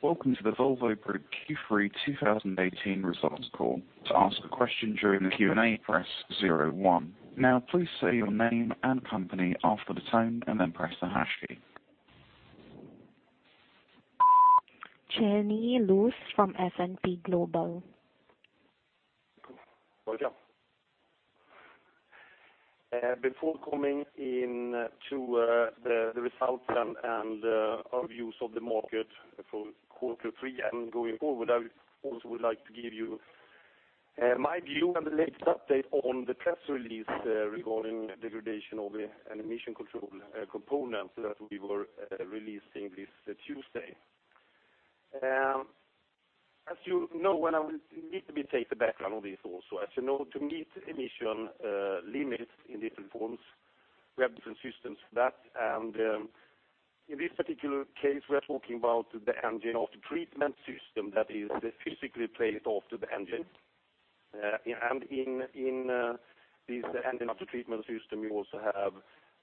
Welcome to the Volvo Group Q3 2018 results call. To ask a question during the Q&A, press zero one. Now please say your name and company after the tone and then press the hash key. Jenny Loose from S&P Global. Welcome. Before coming into the results and our views of the market for quarter three and going forward, I also would like to give you my view on the latest update on the press release regarding degradation of the emission control components that we were releasing this Tuesday. I will need to take the background of this also. As you know, to meet emission limits in different forms, we have different systems for that. In this particular case, we are talking about the engine aftertreatment system that is physically placed after the engine. In this engine aftertreatment system, you also have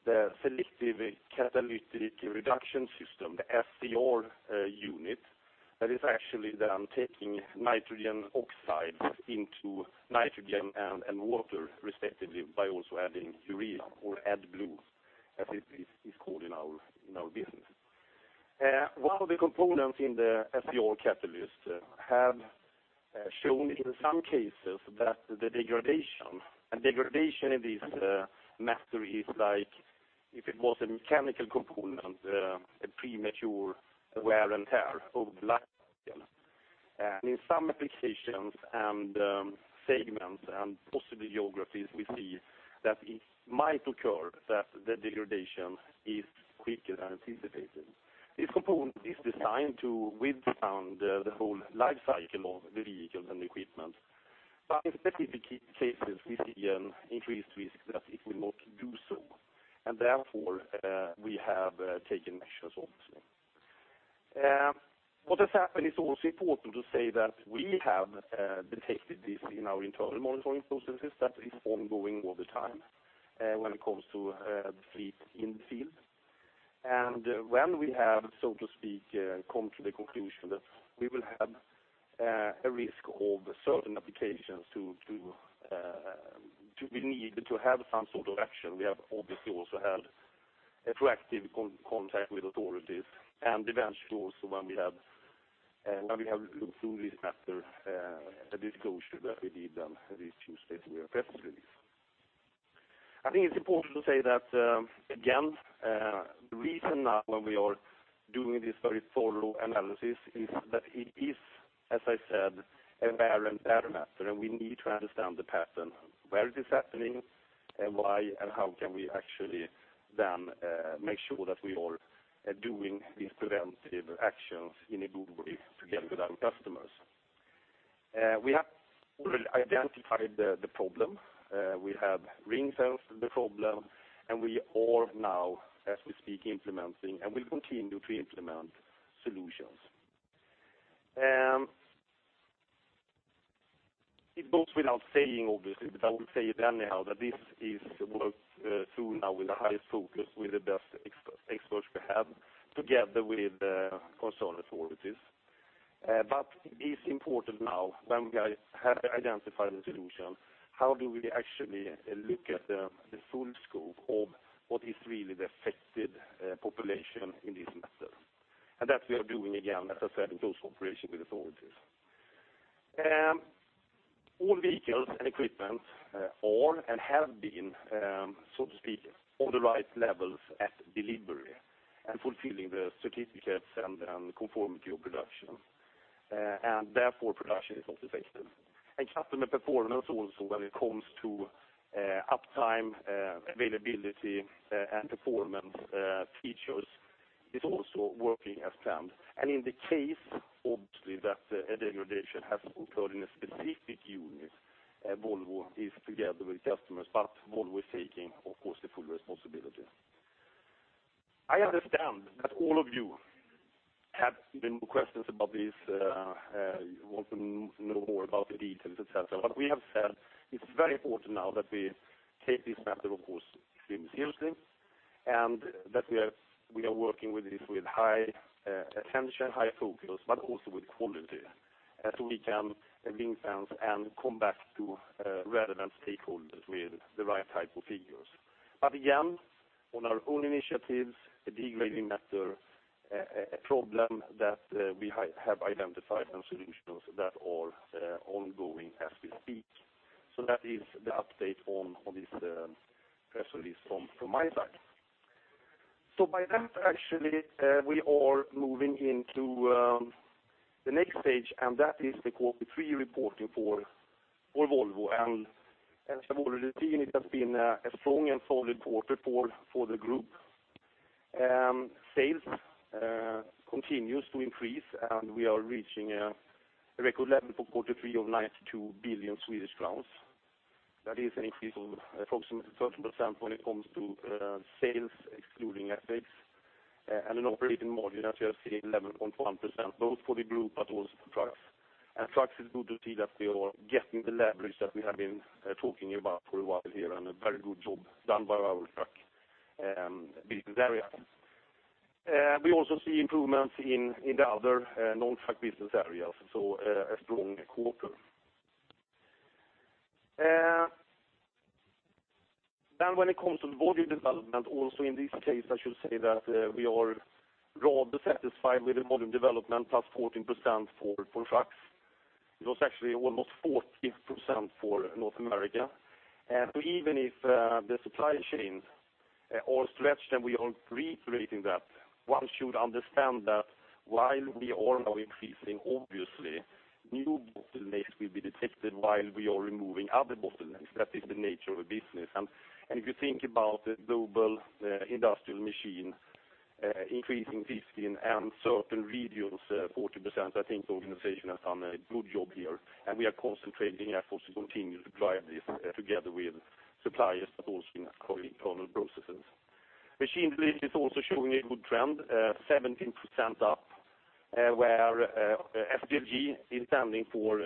the selective catalytic reduction system, the SCR unit, that is actually then taking nitrogen oxides into nitrogen and water respectively by also adding urea or AdBlue, as it is called in our business. One of the components in the SCR catalyst have shown in some cases that the degradation, and degradation in this matter is like if it was a mechanical component, a premature wear and tear over the life cycle. In some applications and segments and possibly geographies, we see that it might occur that the degradation is quicker than anticipated. This component is designed to withstand the whole life cycle of the vehicles and equipment. In specific cases, we see an increased risk that it will not do so. Therefore, we have taken measures obviously. What has happened, it's also important to say that we have detected this in our internal monitoring processes that is ongoing all the time when it comes to the fleet in the field. When we have, so to speak, come to the conclusion that we will have a risk of certain applications, we need to have some sort of action. We have obviously also had a proactive contact with authorities and eventually also when we have looked through this matter, a disclosure that we did on this Tuesday with a press release. I think it's important to say that, again, the reason now when we are doing this very thorough analysis is that it is, as I said, a wear and tear matter, and we need to understand the pattern. Where it is happening, and why, and how can we actually then make sure that we are doing these preventive actions in a good way together with our customers. We have fully identified the problem. We have ring-fenced the problem, and we are now, as we speak, implementing and will continue to implement solutions. It goes without saying, obviously, but I will say it anyhow, that this is work through now with the highest focus, with the best experts we have, together with concerned authorities. It is important now when we have identified the solution, how do we actually look at the full scope of what is really the affected population in this matter? That we are doing, again, as I said, in close cooperation with authorities. All vehicles and equipment are and have been, so to speak, on the right levels at delivery and fulfilling the certificates and conformity of production. Therefore production is not affected. Customer performance also when it comes to uptime, availability, and performance features is also working as planned. In the case, obviously, that a degradation has occurred in a specific unit, Volvo is together with customers, but Volvo is taking, of course, the full responsibility. I understand that all of you have been questions about this, want to know more about the details, et cetera. We have said it's very important now that we take this matter, of course, extremely seriously, and that we are working with this with high attention, high focus, but also with quality, so we can ring-fence and come back to relevant stakeholders with the right type of figures. Again, on our own initiatives, a degrading matter, a problem that we have identified and solutions that are ongoing as we speak. That is the update on this press release from my side. By that, actually, we are moving into the next stage, and that is the quarter three reporting for Volvo. As you have already seen, it has been a strong and solid quarter for the group. Sales continues to increase, and we are reaching a record level for quarter three of 92 billion Swedish crowns. That is an increase of approximately 13% when it comes to sales, excluding FX. An operating margin, as you have seen, 11.1%, both for the group but also for trucks. Trucks, it's good to see that we are getting the leverage that we have been talking about for a while here, and a very good job done by our truck team business areas. We also see improvements in the other non-truck business areas, so a strong quarter. When it comes to volume development, also in this case, I should say that we are rather satisfied with the volume development, +14% for trucks. It was actually almost 14% for North America. Even if the supply chains are stretched, and we are reiterating that, one should understand that while we are now increasing, obviously, new bottlenecks will be detected while we are removing other bottlenecks. That is the nature of a business. If you think about the global industrial machine, increasing 15%, and certain regions 40%, I think the organization has done a good job here, and we are concentrating efforts to continue to drive this together with suppliers, but also in our internal processes. Machine leasing is also showing a good trend, 17% up, where SDLG is standing for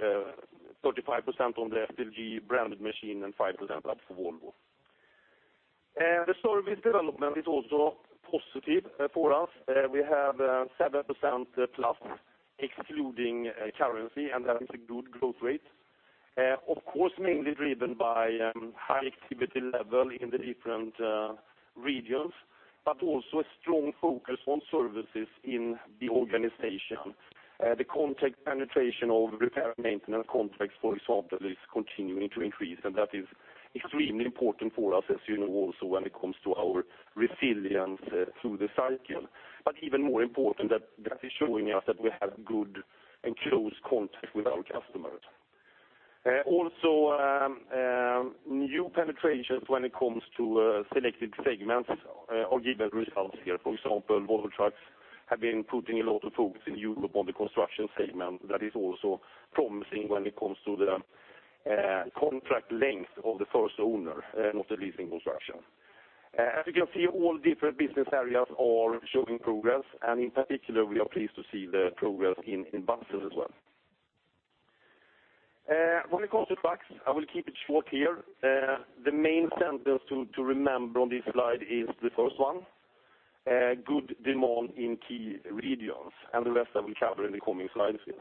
35% on the SDLG branded machine and 5% up for Volvo. The service development is also positive for us. We have +7% excluding currency, that is a good growth rate. Of course, mainly driven by high activity level in the different regions, but also a strong focus on services in the organization. The contact penetration of repair and maintenance contracts, for example, is continuing to increase, and that is extremely important for us, as you know, also when it comes to our resilience through the cycle. Even more important, that is showing us that we have good and close contact with our customers. Also, new penetrations when it comes to selected segments are given results here. For example, Volvo Trucks have been putting a lot of focus in Europe on the construction segment. That is also promising when it comes to the contract length of the first owner of the leasing construction. As you can see, all different business areas are showing progress, in particular, we are pleased to see the progress in buses as well. When it comes to trucks, I will keep it short here. The main sentence to remember on this slide is the first one, good demand in key regions, the rest I will cover in the coming slides here.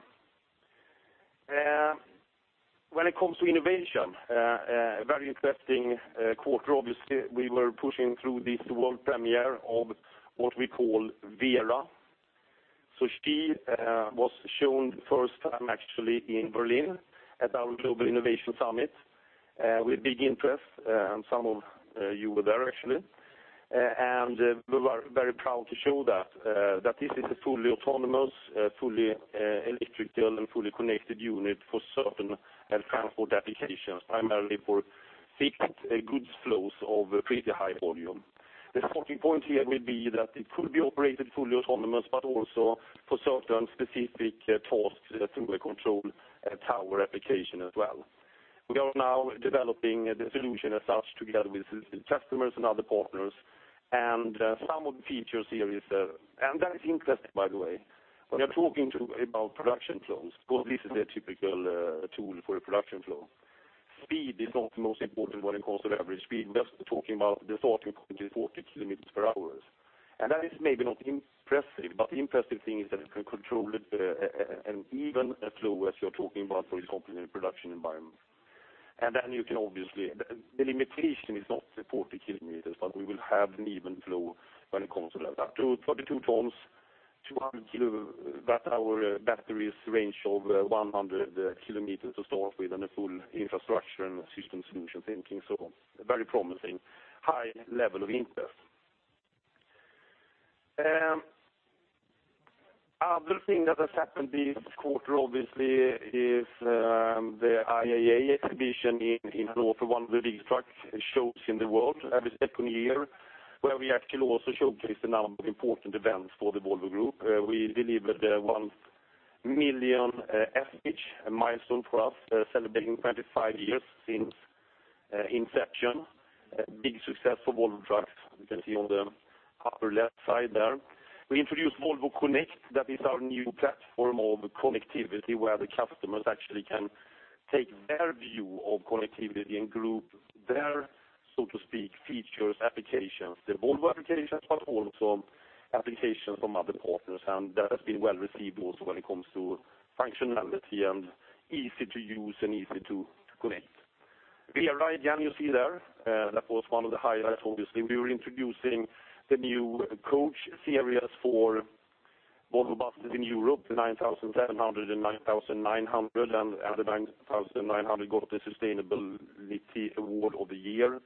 When it comes to innovation, a very interesting quarter, obviously. We were pushing through this world premiere of what we call Vera. She was shown first time actually in Berlin at our Global Innovation Summit with big interest, and some of you were there actually. We were very proud to show that this is a fully autonomous, fully electrical, and fully connected unit for certain transport applications, primarily for fixed goods flows of pretty high volume. The starting point here will be that it could be operated fully autonomous, but also for certain specific tasks through a control tower application as well. We are now developing the solution as such together with customers and other partners, some of the features here, that is interesting, by the way. We are talking today about production flows, because this is a typical tool for a production flow. Speed is not the most important when it comes to average speed. We are talking about the starting point is 40 kilometers per hour. That is maybe not impressive, but the impressive thing is that it can control an even flow as you are talking about, for example, in a production environment. The limitation is not the 40 kilometers, but we will have an even flow when it comes to that. 22 tons, 200 kilowatt-hour batteries, range of 100 km to start with, and a full infrastructure and system solution thinking. Very promising, high level of interest. Other thing that has happened this quarter, obviously, is the IAA exhibition in Hanover, one of the lead truck shows in the world, every second year, where we actually also showcased a number of important events for the Volvo Group. We delivered 1 million FH, a milestone for us, celebrating 25 years since inception. A big success for Volvo Trucks, you can see on the upper left side there. We introduced Volvo Connect. That is our new platform of connectivity, where the customers actually can take their view of connectivity and group their, so to speak, features, applications, the Volvo applications, but also applications from other partners. That has been well received also when it comes to functionality and easy to use and easy to connect. Vera again, you see there. That was one of the highlights, obviously. We were introducing the new coach series for Volvo Buses in Europe, the 9700 and 9900, and the 9900 got the Sustainability Award of the Year.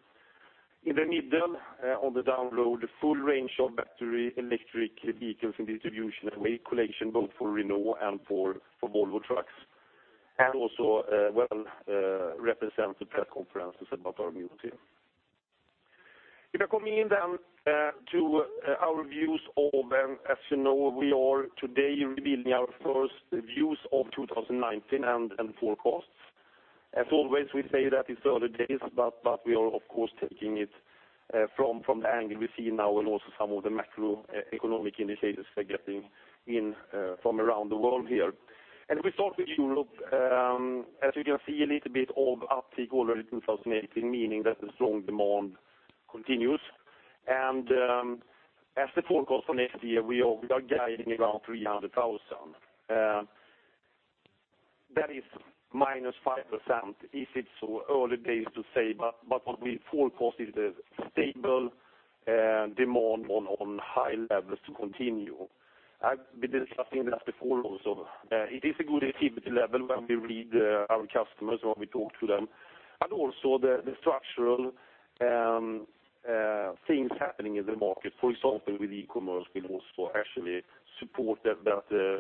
In the middle, on the download, a full range of battery electric vehicles in distribution and waste collection, both for Renault and for Volvo Trucks, and also well represented press conferences about our new team. We are coming in then to our views of them, as you know, we are today revealing our first views of 2019 and forecasts. As always, we say that it's early days, but we are of course taking it from the angle we see now and also some of the macroeconomic indicators we're getting in from around the world here. We start with Europe. As you can see, a little bit of uptick already in 2018, meaning that the strong demand continues. As the forecast for next year, we are guiding around 300,000. That is -5%, is it? Early days to say, but what we forecast is a stable demand on high levels to continue. I've been discussing this before also. It is a good activity level when we read our customers, when we talk to them, and also the structural things happening in the market, for example, with e-commerce will also actually support that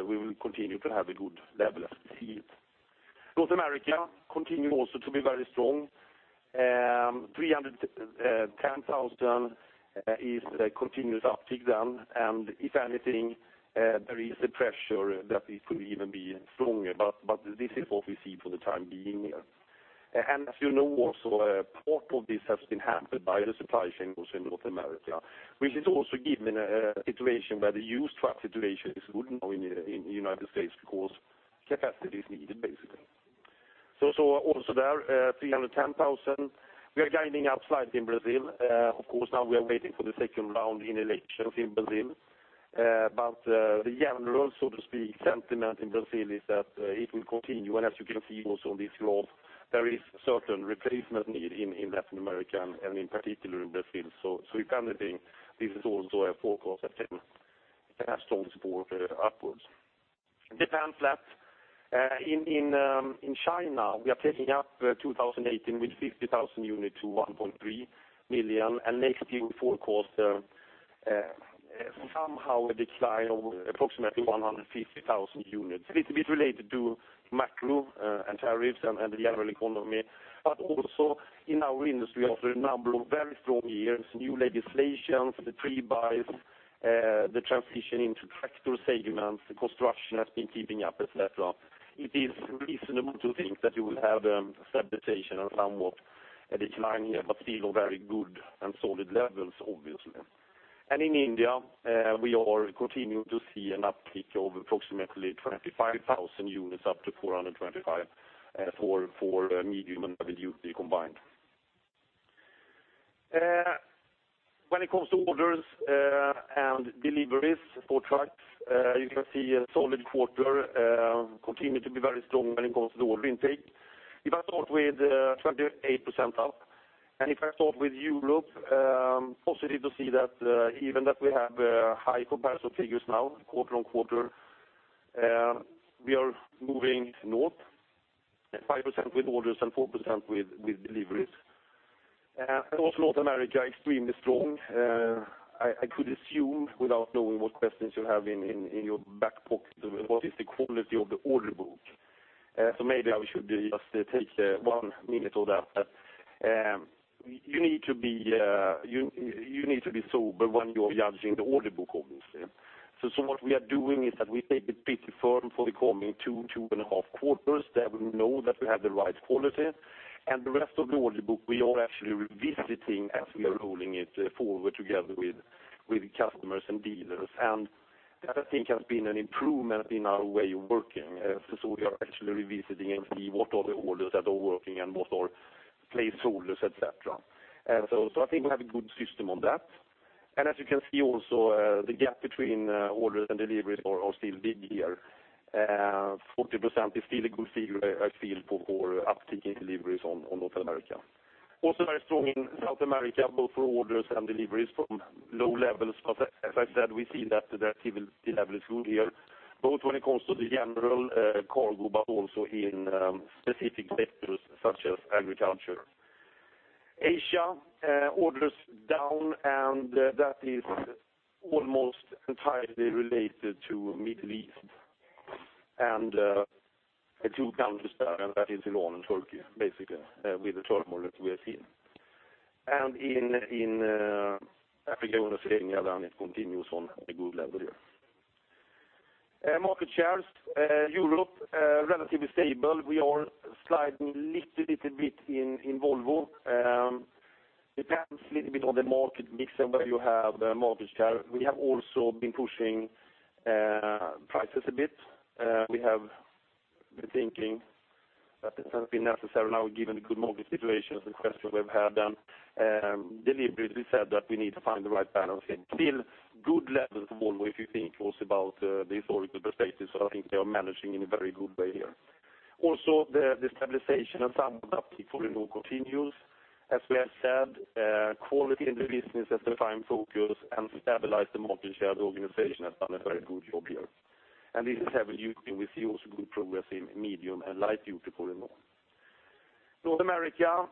we will continue to have a good level of activity. North America continue also to be very strong. 310,000 is a continuous uptick then, and if anything, there is a pressure that it could even be stronger, but this is what we see for the time being here. As you know also, part of this has been hampered by the supply chain also in North America, which is also given a situation where the used truck situation is good now in United States because capacity is needed, basically. Also there, 310,000. We are guiding up slightly in Brazil. Of course now we are waiting for the second round in elections in Brazil. The general, so to speak, sentiment in Brazil is that it will continue. As you can see also on this graph, there is certain replacement need in Latin America and in particular in Brazil. If anything, this is also a forecast that can have strong support upwards. Japan is flat. In China, we are taking up 2018 with 50,000 units to 1.3 million. Next year we forecast somehow a decline of approximately 150,000 units. It's a bit related to macro and tariffs and the general economy. Also in our industry, after a number of very strong years, new legislations, the pre-buys, the transition into tractor segments, the construction has been keeping up, et cetera. It is reasonable to think that you will have a stabilization and somewhat a decline here. Still very good and solid levels, obviously. In India, we are continuing to see an uptick of approximately 25,000 units up to 425 for medium and heavy duty combined. When it comes to orders and deliveries for trucks, you can see a solid quarter, continue to be very strong when it comes to the order intake. If I start with 28% up. If I start with Europe, positive to see that even that we have high comparison figures now, quarter-on-quarter. We are moving north at 5% with orders and 4% with deliveries. Also North America, extremely strong. I could assume without knowing what questions you have in your back pocket, what is the quality of the order book? Maybe I should just take one minute on that. You need to be sober when you are judging the order book, obviously. What we are doing is that we take it pretty firm for the coming 2.5 quarters, that we know that we have the right quality. The rest of the order book, we are actually revisiting as we are rolling it forward together with customers and dealers. That I think has been an improvement in our way of working. We are actually revisiting and see what are the orders that are working and what are placeholders, et cetera. I think we have a good system on that. As you can see also, the gap between orders and deliveries are still big here. 40% is still a good figure, I feel, for our uptick in deliveries on North America. Also very strong in South America, both for orders and deliveries from low levels. As I said, we see that the activity level is good here, both when it comes to the general cargo, but also in specific sectors such as agriculture. Asia, orders down. That is almost entirely related to Middle East and the two countries there, and that is Iran and Turkey, basically, with the turmoil that we are seeing. In Africa and Oceania, it continues on a good level here. Market shares. Europe, relatively stable. We are sliding little bit in Volvo. Depends a little bit on the market mix and where you have market share. We have also been pushing prices a bit. We have been thinking that it has been necessary now, given the good market situation, the question we've had on deliveries, we said that we need to find the right balance here. Still good levels for Volvo, if you think also about the historical perspective. I think they are managing in a very good way here. Also, the stabilization and some uptick for Renault continues. As we have said, quality in the business has defined focus, and stabilized the market share. The organization has done a very good job here. This is heavy duty, and we see also good progress in medium and light duty for Renault. North America,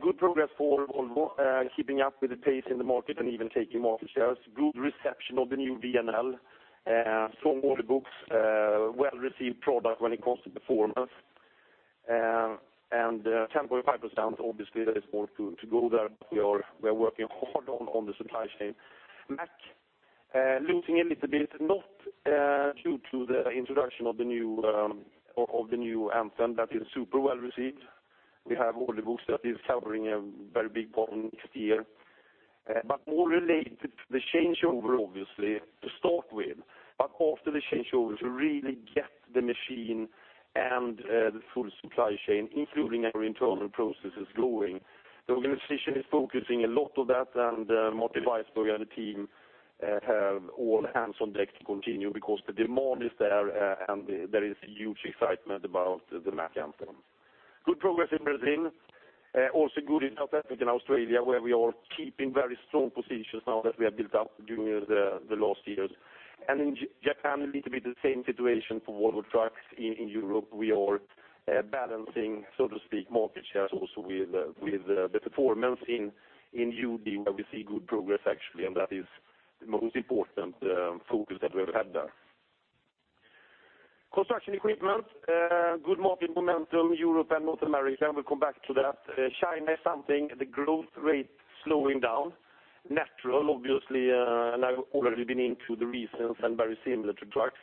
good progress for Volvo, keeping up with the pace in the market and even taking market shares. Good reception of the new VNL. Strong order books. Well-received product when it comes to performance. 10.5%, obviously, there is more to go there, but we are working hard on the supply chain. Mack, losing a little bit, not due to the introduction of the new Anthem. That is super well received. We have order books that is covering a very big volume next year. More related to the changeover, obviously, after the changeover, to really get the machine and the full supply chain, including our internal processes going. The organization is focusing a lot on that, and Martin Weissburg and the team have all hands on deck to continue because the demand is there, and there is a huge excitement about the Mack Anthem. Good progress in Brazil. Also good in North Africa and Australia, where we are keeping very strong positions now that we have built up during the last years. In Japan, a little bit the same situation for Volvo Trucks. In Europe, we are balancing, so to speak, market shares also with the performance in UD where we see good progress actually, and that is the most important focus that we have had there. Construction equipment, good market momentum, Europe and North America. We'll come back to that. China is something, the growth rate slowing down. Natural, obviously, I've already been into the reasons, and very similar to trucks.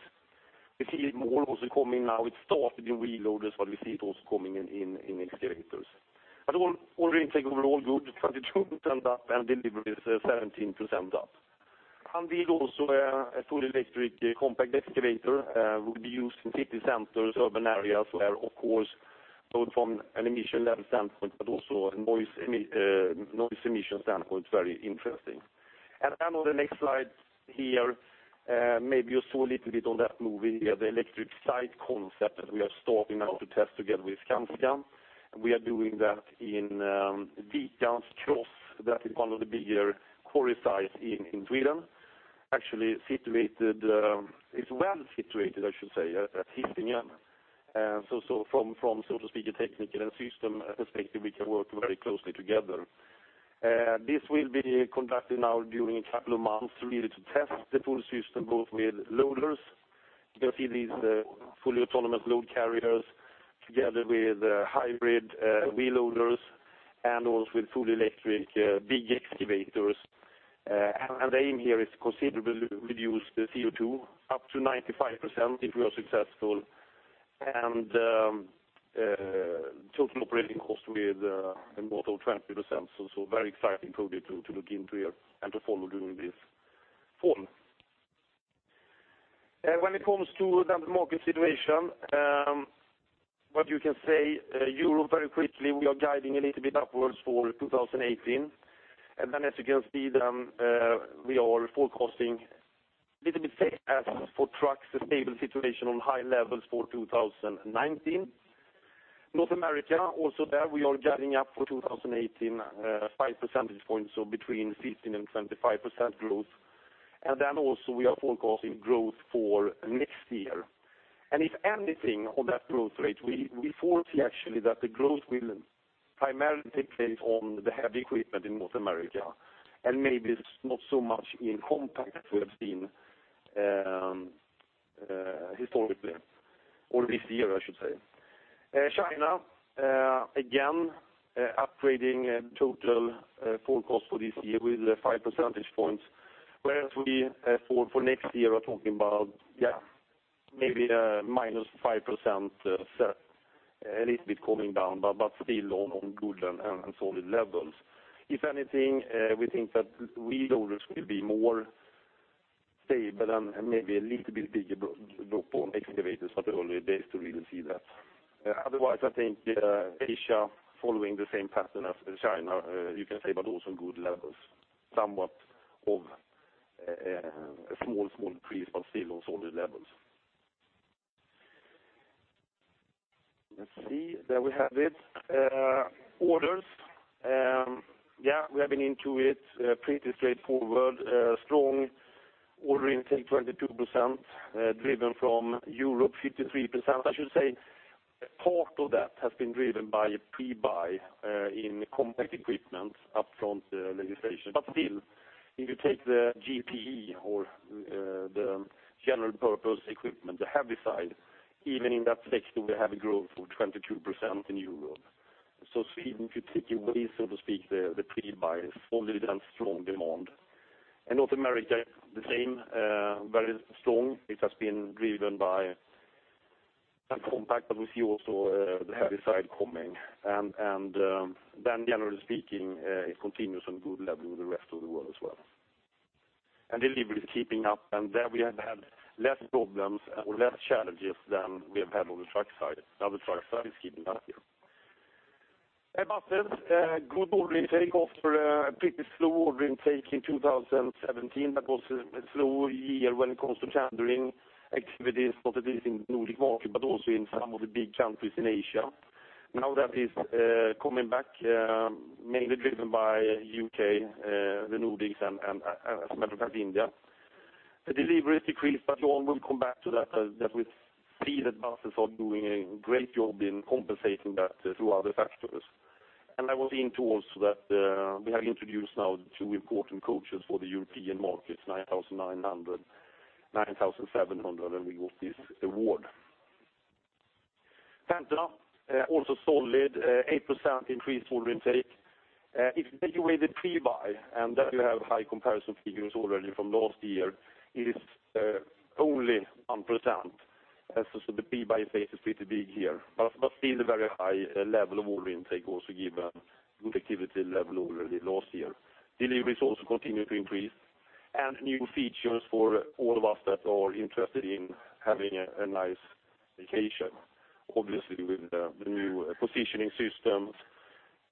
We see it more also coming now. It started in wheel loaders, but we see it also coming in excavators. Order intake overall good, 22% up, and deliveries 17% up. We also have a fully electric compact excavator will be used in city centers, urban areas where, of course, both from an emission level standpoint, but also a noise emission standpoint, very interesting. On the next slide here, maybe you saw a little bit on that movie, the electric site concept that we are starting now to test together with Sandvikan. We are doing that in Draggängarna. That is one of the bigger quarry sites in Sweden. Actually, it's well-situated, I should say, at Hisingen. From, so to speak, a technical and system perspective, we can work very closely together. This will be conducted now during a couple of months really to test the full system, both with loaders. You can see these fully autonomous load carriers together with hybrid wheel loaders and also with fully electric big excavators. Our aim here is to considerably reduce the CO2 up to 95% if we are successful, and total operating cost with in total 20%. Very exciting project to look into here and to follow during this fall. When it comes to the market situation, what you can say, Europe very quickly, we are guiding a little bit upwards for 2018. As you can see, we are forecasting a little bit flat for trucks, a stable situation on high levels for 2019. North America, also there, we are guiding up for 2018, five percentage points, so between 15% and 25% growth. Also we are forecasting growth for next year. If anything on that growth rate, we foresee actually that the growth will primarily take place on the heavy equipment in North America and maybe not so much in compact we have seen historically or this year, I should say. China, again, upgrading total forecast for this year with five percentage points. We, for next year, are talking about maybe -5%, a little bit coming down, but still on good and solid levels. If anything, we think that wheel loaders will be more stable and maybe a little bit bigger book on excavators, but early days to really see that. Otherwise, I think Asia following the same pattern as China, you can say, but also good levels, somewhat of a small increase, but still on solid levels. Let's see. There we have it. Orders. We have been into it, pretty straightforward. Strong order intake, 22%, driven from Europe, 53%. I should say part of that has been driven by a pre-buy in compact equipment up front legislation. Still, if you take the GPE or the general purpose equipment, the heavy side, even in that sector, we have a growth of 22% in Europe. Sweden, if you take away, so to speak, the pre-buy is only then strong demand. North America, the same, very strong. It has been driven by that compact, but we see also the heavy side coming. Generally speaking, it continues on good level with the rest of the world as well. Delivery is keeping up, there we have had less problems or less challenges than we have had on the truck side. Now the truck side is keeping up here. Buses, good order intake after a pretty slow order intake in 2017. That was a slow year when it comes to tendering activities, not at least in the Nordic market, but also in some of the big countries in Asia. Now that is coming back, mainly driven by U.K., the Nordics, and as a matter of fact, India. The deliveries decreased, but Johan will come back to that we see that buses are doing a great job in compensating that through other factors. I was into also that we have introduced now two important coaches for the European markets, 9900, 9700, and we got this award. Volvo Penta, also solid, 8% increase order intake. If you take away the pre-buy, there you have high comparison figures already from last year, it is only 1%. The pre-buy phase is pretty big here. Still a very high level of order intake also given good activity level already last year. Deliveries also continue to increase, new features for all of us that are interested in having a nice vacation. Obviously, with the new positioning systems,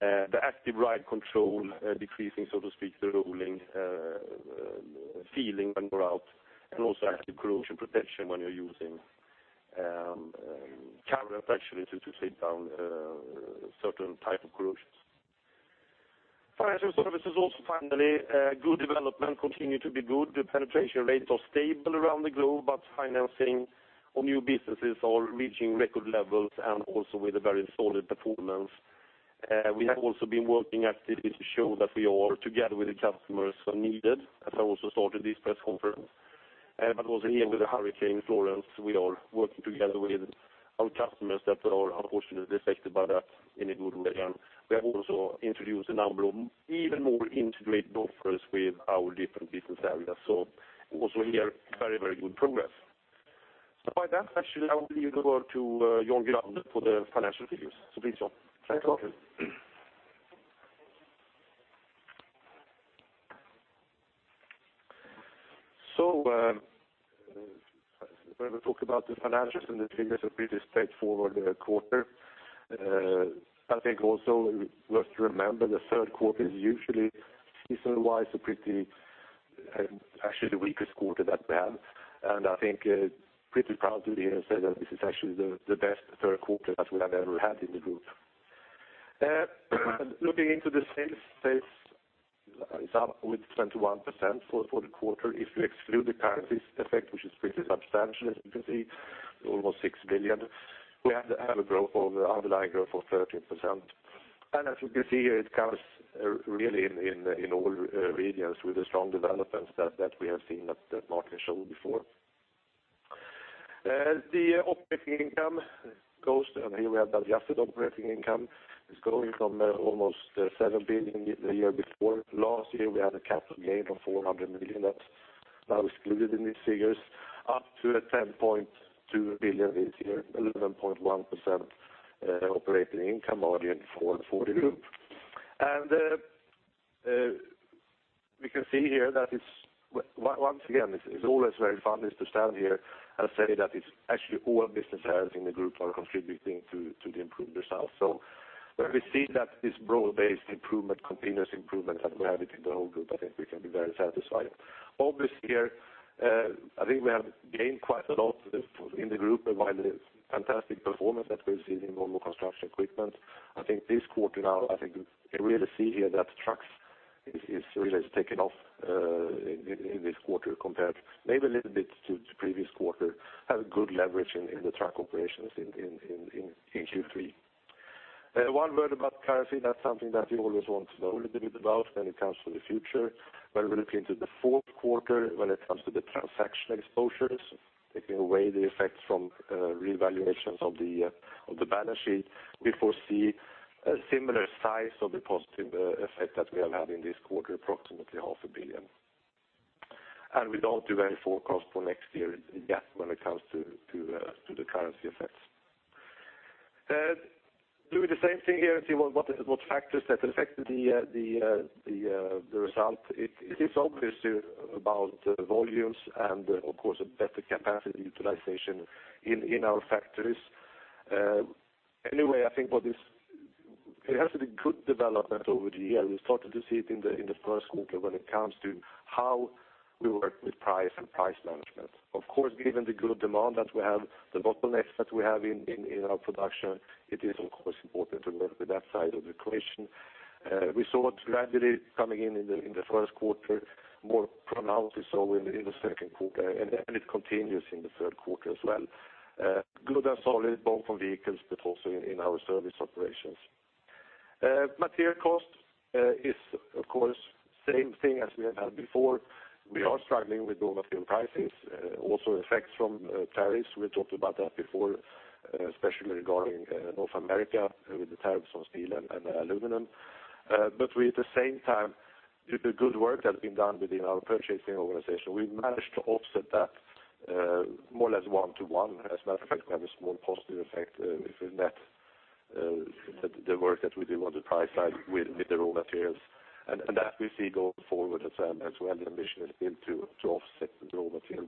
the active ride control, decreasing, so to speak, the rolling feeling when you're out, also active corrosion protection when you're using chemical actually to take down certain type of corrosions. Financial services also finally, good development continue to be good. The penetration rates are stable around the globe, financing on new businesses are reaching record levels also with a very solid performance. We have also been working actively to show that we are together with the customers when needed, as I also stated in this press conference. Also here with the Hurricane Florence, we are working together with our customers that are unfortunately affected by that in a good way. We have also introduced a number of even more integrated offers with our different business areas. Also here, very good progress. Now with that, actually, I will give the word to Jan Gurander for the financial figures. Please, Jan. Thanks, Martin. When we talk about the financials and the figures, a pretty straightforward quarter. I think also worth to remember, the third quarter is usually season-wise actually the weakest quarter that we have. I think pretty proud to be here and say that this is actually the best third quarter that we have ever had in the group. Looking into the sales is up with 21% for the quarter. If you exclude the currency effect, which is pretty substantial, as you can see, almost 6 billion. We have an underlying growth of 13%. As you can see here, it covers really in all regions with the strong developments that we have seen that Martin showed before. The operating income goes, and here we have the adjusted operating income, is going from almost 7 billion the year before. Last year, we had a capital gain of 400 million that's now excluded in these figures, up to 10.2 billion this year, 11.1% operating income margin for the group. We can see here that, once again, it's always very fun just to stand here and say that it's actually all business areas in the group are contributing to the improved results. When we see that this broad-based continuous improvement that we have it in the whole group, I think we can be very satisfied. Obviously here, I think we have gained quite a lot in the group by the fantastic performance that we're seeing in Volvo Construction Equipment. I think this quarter now, I think you can really see here that Trucks really has taken off in this quarter compared maybe a little bit to previous quarter, have a good leverage in the truck operations in Q3. One word about currency, that's something that you always want to know a little bit about when it comes to the future. When we look into the fourth quarter, when it comes to the transaction exposures, taking away the effects from revaluations of the balance sheet, we foresee a similar size of the positive effect that we are having this quarter, approximately SEK half a billion. We don't do any forecast for next year yet when it comes to the currency effects. Doing the same thing here, and see what factors that affected the result. It is obviously about volumes and of course a better capacity utilization in our factories. Anyway, I think it has been good development over the year. We started to see it in the first quarter when it comes to how we work with price and price management. Of course, given the good demand that we have, the bottlenecks that we have in our production, it is of course important to work with that side of the equation. We saw it gradually coming in in the first quarter, more pronounced we saw in the second quarter, it continues in the third quarter as well. Good and solid both from vehicles, but also in our service operations. Material cost is, of course, same thing as we have had before. We are struggling with raw material prices. Effects from tariffs, we talked about that before, especially regarding North America with the tariffs on steel and aluminum. We, at the same time, due to good work that's been done within our purchasing organization, we've managed to offset that more or less one to one. As a matter of fact, we have a small positive effect if we net the work that we do on the price side with the raw materials. That we see going forward as well. The mission has been to offset the raw material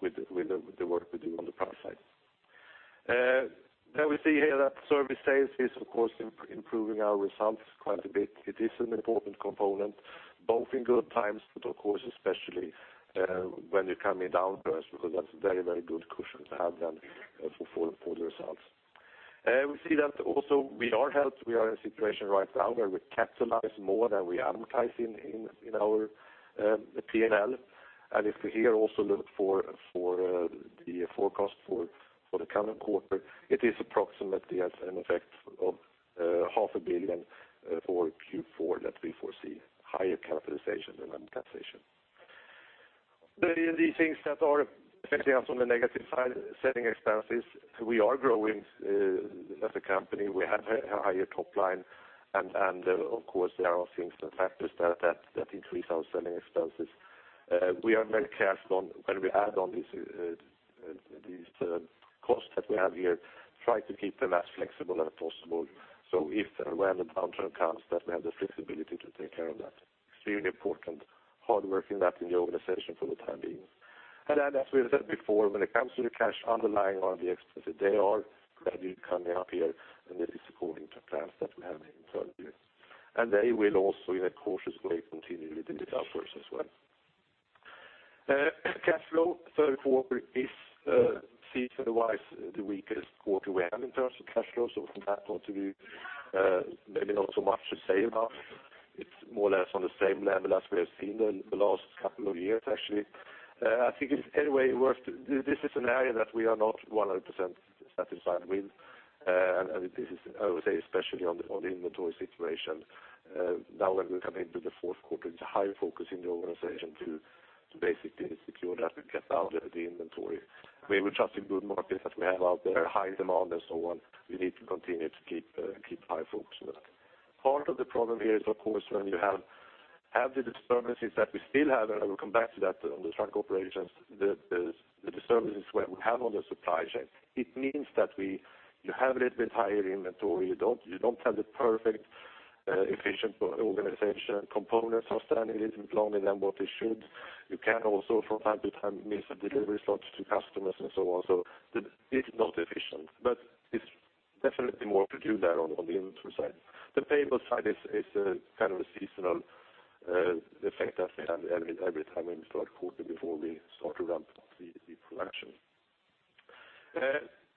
with the work we do on the price side. We see here that service sales is, of course, improving our results quite a bit. It is an important component, both in good times, but of course, especially when you're coming down to us, because that's a very good cushion to have then for the results. We see that also we are helped. We are in a situation right now where we capitalize more than we amortize in our P&L. If we here also look for the forecast for the current quarter, it is approximately as an effect of 0.5 billion for Q4 that we foresee higher capitalization than amortization. The things that are affecting us on the negative side, selling expenses. We are growing as a company. We have a higher top line, and of course, there are things, factors that increase our selling expenses. We are very careful when we add on these costs that we have here, try to keep them as flexible as possible, so if and when the downturn comes that we have the flexibility to take care of that. Extremely important, hard work in that in the organization for the time being. As we have said before, when it comes to the cash underlying on the expenses, they are gradually coming up here, this is according to plans that we have [in 12 years]. They will also, in a cautious way, continue a little bit upwards as well. Cash flow, third quarter is, seasonal-wise, the weakest quarter we have in terms of cash flow. From that point of view, maybe not so much to say about. It's more or less on the same level as we have seen in the last couple of years actually. I think it is, anyway, worth. This is an area that we are not 100% satisfied with. This is, I would say, especially on the inventory situation. Now that we come into the fourth quarter, it's a high focus in the organization to basically secure that we get down the inventory. We will trust the good markets that we have out there, high demand and so on. We need to continue to keep high focus on that. Part of the problem here is, of course, when you have the disturbances that we still have, I will come back to that on the truck operations, the disturbances we have on the supply chain, it means that you have a little bit higher inventory. You don't have the perfect, efficient organization. Components are standing a little bit longer than what they should. You can also, from time to time, miss delivery slots to customers and so on. It is not efficient. It's definitely more to do that on the inventory side. The payable side is kind of a seasonal effect that we have every time in the third quarter before we start to ramp up the production.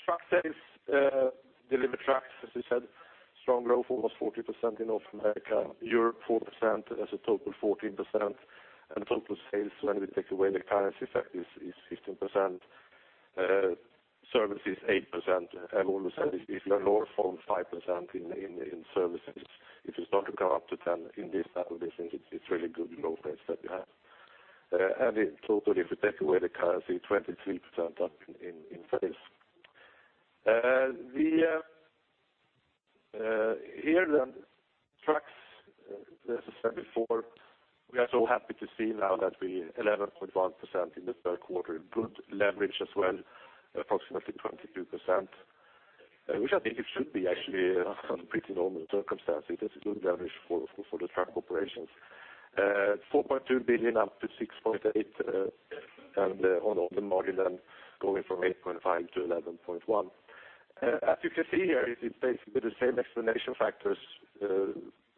Truck sales, delivered trucks, as we said, strong growth, almost 40% in North America. Europe, 4%, that's a total 14%. Total sales, when we take away the currency effect, is 15%. Service is 8%. I've always said if you are north from 5% in services, if it's not to go up to 10 in this type of business, it's really good growth rates that we have. In total, if we take away the currency, 23% up in sales. Here, trucks, as I said before, we are so happy to see now that we, 11.1% in the third quarter, good leverage as well, approximately 22%, which I think it should be actually on pretty normal circumstances. It is a good leverage for the truck operations. 4.2 billion up to 6.8 billion, and on the margin, going from 8.5% to 11.1%. As you can see here, it's basically the same explanation factors when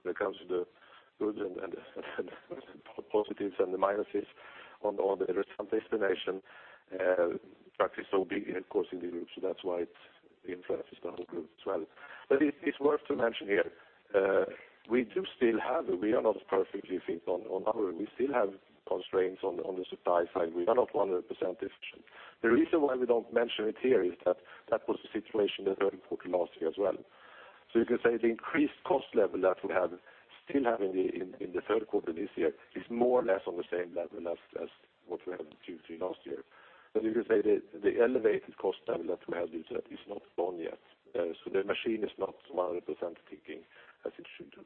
it comes to the goods and positives and the minuses on the result explanation. Trucks is so big, of course, in the group, that's why it influences the whole group as well. It's worth to mention here, we do still have. We are not perfectly fit on our end. We still have constraints on the supply side. We are not 100% efficient. The reason why we don't mention it here is that that was the situation in the third quarter last year as well. You can say the increased cost level that we have, still have in the third quarter this year, is more or less on the same level as what we had Q3 last year. You could say the elevated cost level that we have is not gone yet. The machine is not 100% ticking as it should do.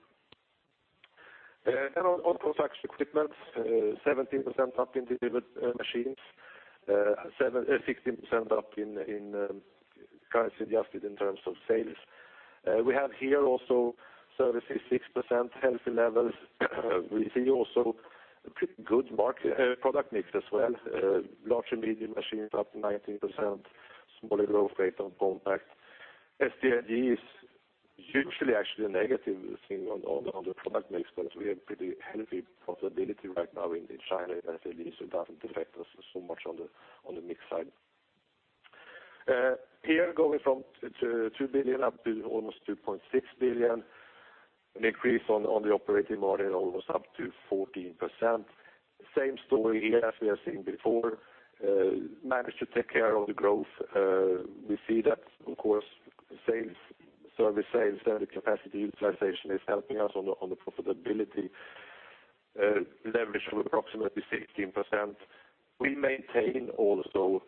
On construction equipment, 17% up in delivered machines, 16% up in currency adjusted in terms of sales. We have here also services, 6%, healthy levels. We see also a pretty good product mix as well. Large and medium machines up 19%, smaller growth rate on compact. SDLG is usually actually a negative thing on the product mix, we have pretty healthy profitability right now in China. It doesn't affect us so much on the mix side. Here, going from 2 billion up to almost 2.6 billion, an increase on the operating margin, almost up to 14%. Same story here as we have seen before. Managed to take care of the growth. We see that, of course, service sales and the capacity utilization is helping us on the profitability. Leverage of approximately 16%. We maintain also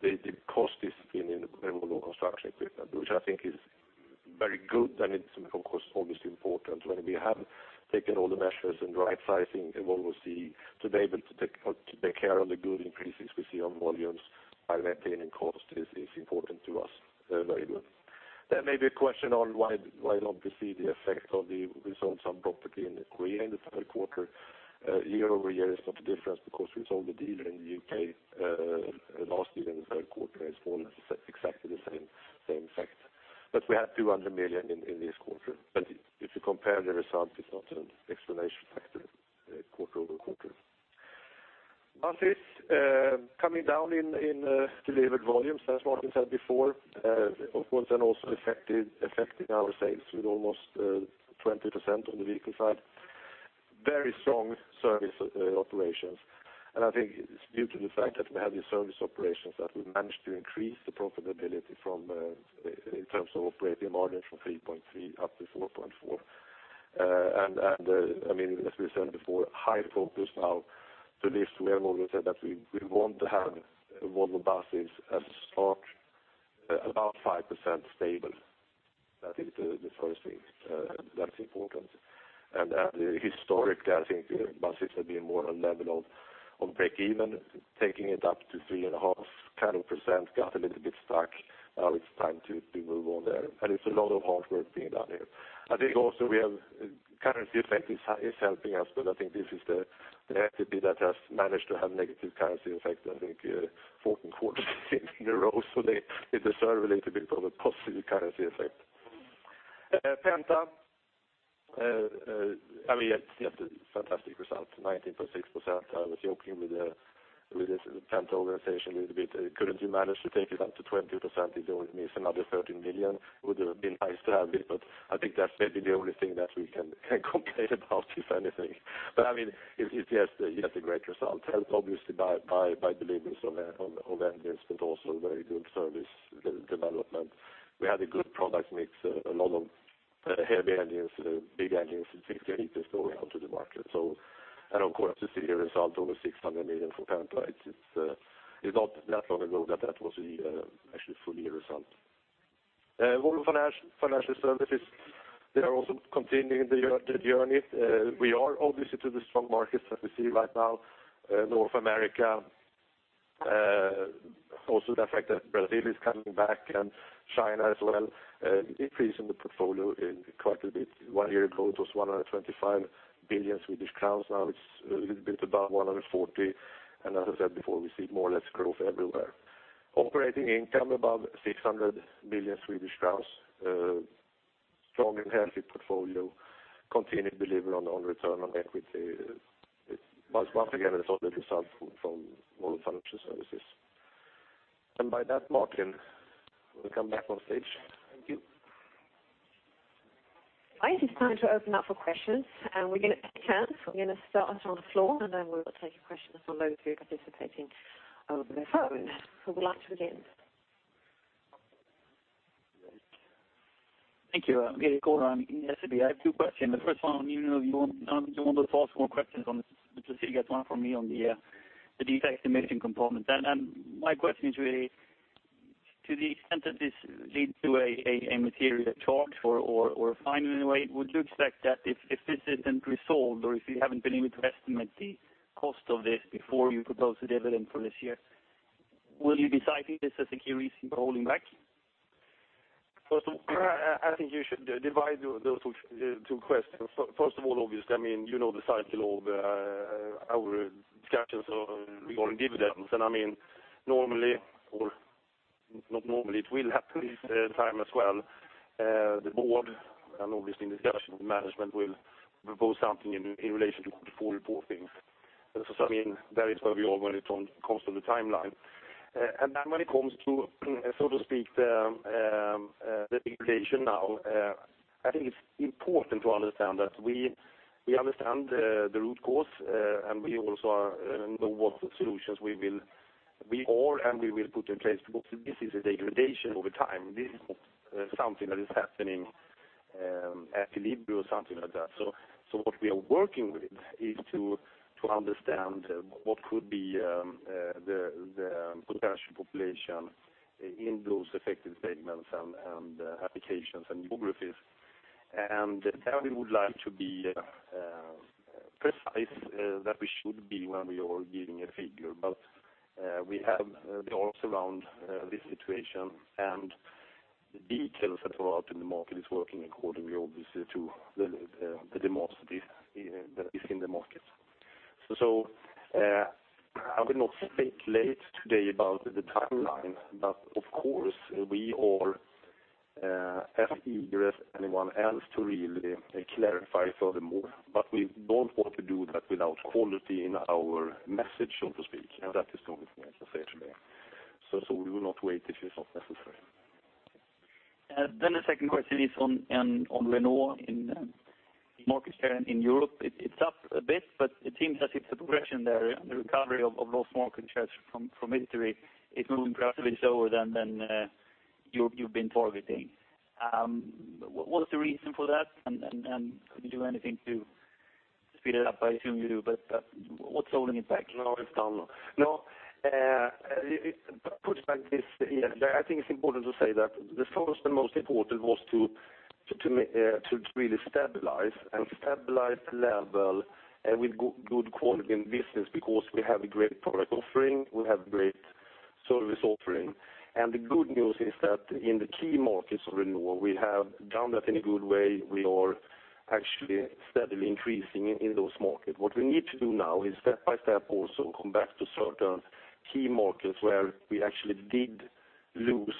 the cost discipline in Volvo Construction Equipment, which I think is very good, and it's, of course, always important. When we have taken all the measures and right-sizing, and what we see, to be able to take care of the good increases we see on volumes by maintaining cost is important to us. Very good. There may be a question on why don't we see the effect of the result on property in Korea in the third quarter. year-over-year is not a difference because we sold the dealer in the U.K. last year in the third quarter, it's more or less exactly the same effect. We have 200 million in this quarter. If you compare the results, it's not an explanation factor quarter-over-quarter. Volvo Buses coming down in delivered volumes, as Martin said before. Of course, also affecting our sales with almost 20% on the vehicle side. Very strong service operations. I think it's due to the fact that we have the service operations that we managed to increase the profitability in terms of operating margin from 3.3% up to 4.4%. As we said before, high focus now to this. We have already said that we want to have Volvo Buses as strong about 5% stable. That is the first thing that's important. Historically, I think Bus System being more on level of breakeven, taking it up to 3.5%, got a little bit stuck. Now it's time to move on there. It's a lot of hard work being done here. I think also we have currency effect is helping us. I think this is the activity that has managed to have negative currency effect, I think, 14 quarters in a row. They deserve a little bit of a positive currency effect. Penta, yes, fantastic result, 19.6%. I was joking with the Penta organization a little bit. Couldn't you manage to take it up to 20%? It only means another 13 million. Would have been nice to have it, but I think that's maybe the only thing that we can complain about, if anything. It's just a great result. Helped obviously by the leaders of engines, but also very good service development. We had a good product mix, a lot of heavy engines, big engines, 16 liters going out to the market. Of course, to see a result over 600 million for Penta, it's not that long ago that that was the actual full year result. Volvo Financial Services, they are also continuing their journey. We are obviously to the strong markets that we see right now, North America, also the fact that Brazil is coming back and China as well. Increase in the portfolio quite a bit. One year ago, it was 125 billion Swedish crowns. Now it's a little bit above 140 billion. As I said before, we see more or less growth everywhere. Operating income above 600 billion Swedish crowns. Strong and healthy portfolio. Continued delivery on return on equity. It's once again a solid result from Volvo Financial Services. By that, Martin will come back on stage. Thank you. I think it's time to open up for questions. We're going to take turns. We're going to start on the floor. We will take questions from those who are participating over the phone. Who would like to begin? Thank you. I'm Gary Cohen. I have two questions. The first one, you want to pose more questions on this. You get one from me on the defect emission component. My question is really, to the extent that this leads to a material charge or fine in a way, would you expect that if this isn't resolved or if you haven't been able to estimate the cost of this before you propose the dividend for this year, will you be citing this as a key reason for holding back? First of all, I think you should divide those two questions. First of all, obviously, you know the cycle of our discussions regarding dividends. Normally, or not normally, it will happen this time as well. The board, and obviously in discussion with management, will propose something in relation to Q4 reporting. There is where we are when it comes to the timeline. When it comes to, so to speak, the degradation now, I think it's important to understand that we understand the root cause, and we also know what solutions we will put in place. Because this is a degradation over time. This is not something that is happening at equilibrium, something like that. What we are working with is to understand what could be the potential population in those affected segments and applications and geographies. We would like to be precise, that we should be when we are giving a figure. We have the arms around this situation, and the details that are out in the market is working accordingly, obviously, to the democracy that is in the market. I will not speculate today about the timeline, of course, we are as eager as anyone else to really clarify furthermore. We don't want to do that without quality in our message, so to speak. That is going for, as I say today. We will not wait if it's not necessary. The second question is on Renault in market share in Europe. It's up a bit, but it seems as if the progression there and the recovery of lost market shares from mid-term is moving gradually slower than you've been targeting. What's the reason for that? Could you do anything to speed it up? I assume you do, but what's holding it back? No, it's done. Put it like this. I think it's important to say that the first and most important was to really stabilize, and stabilize the level with good quality in business, because we have a great product offering, we have great service offering. The good news is that in the key markets of Renault, we have done that in a good way. We are actually steadily increasing in those markets. What we need to do now is step by step, also come back to certain key markets where we actually did lose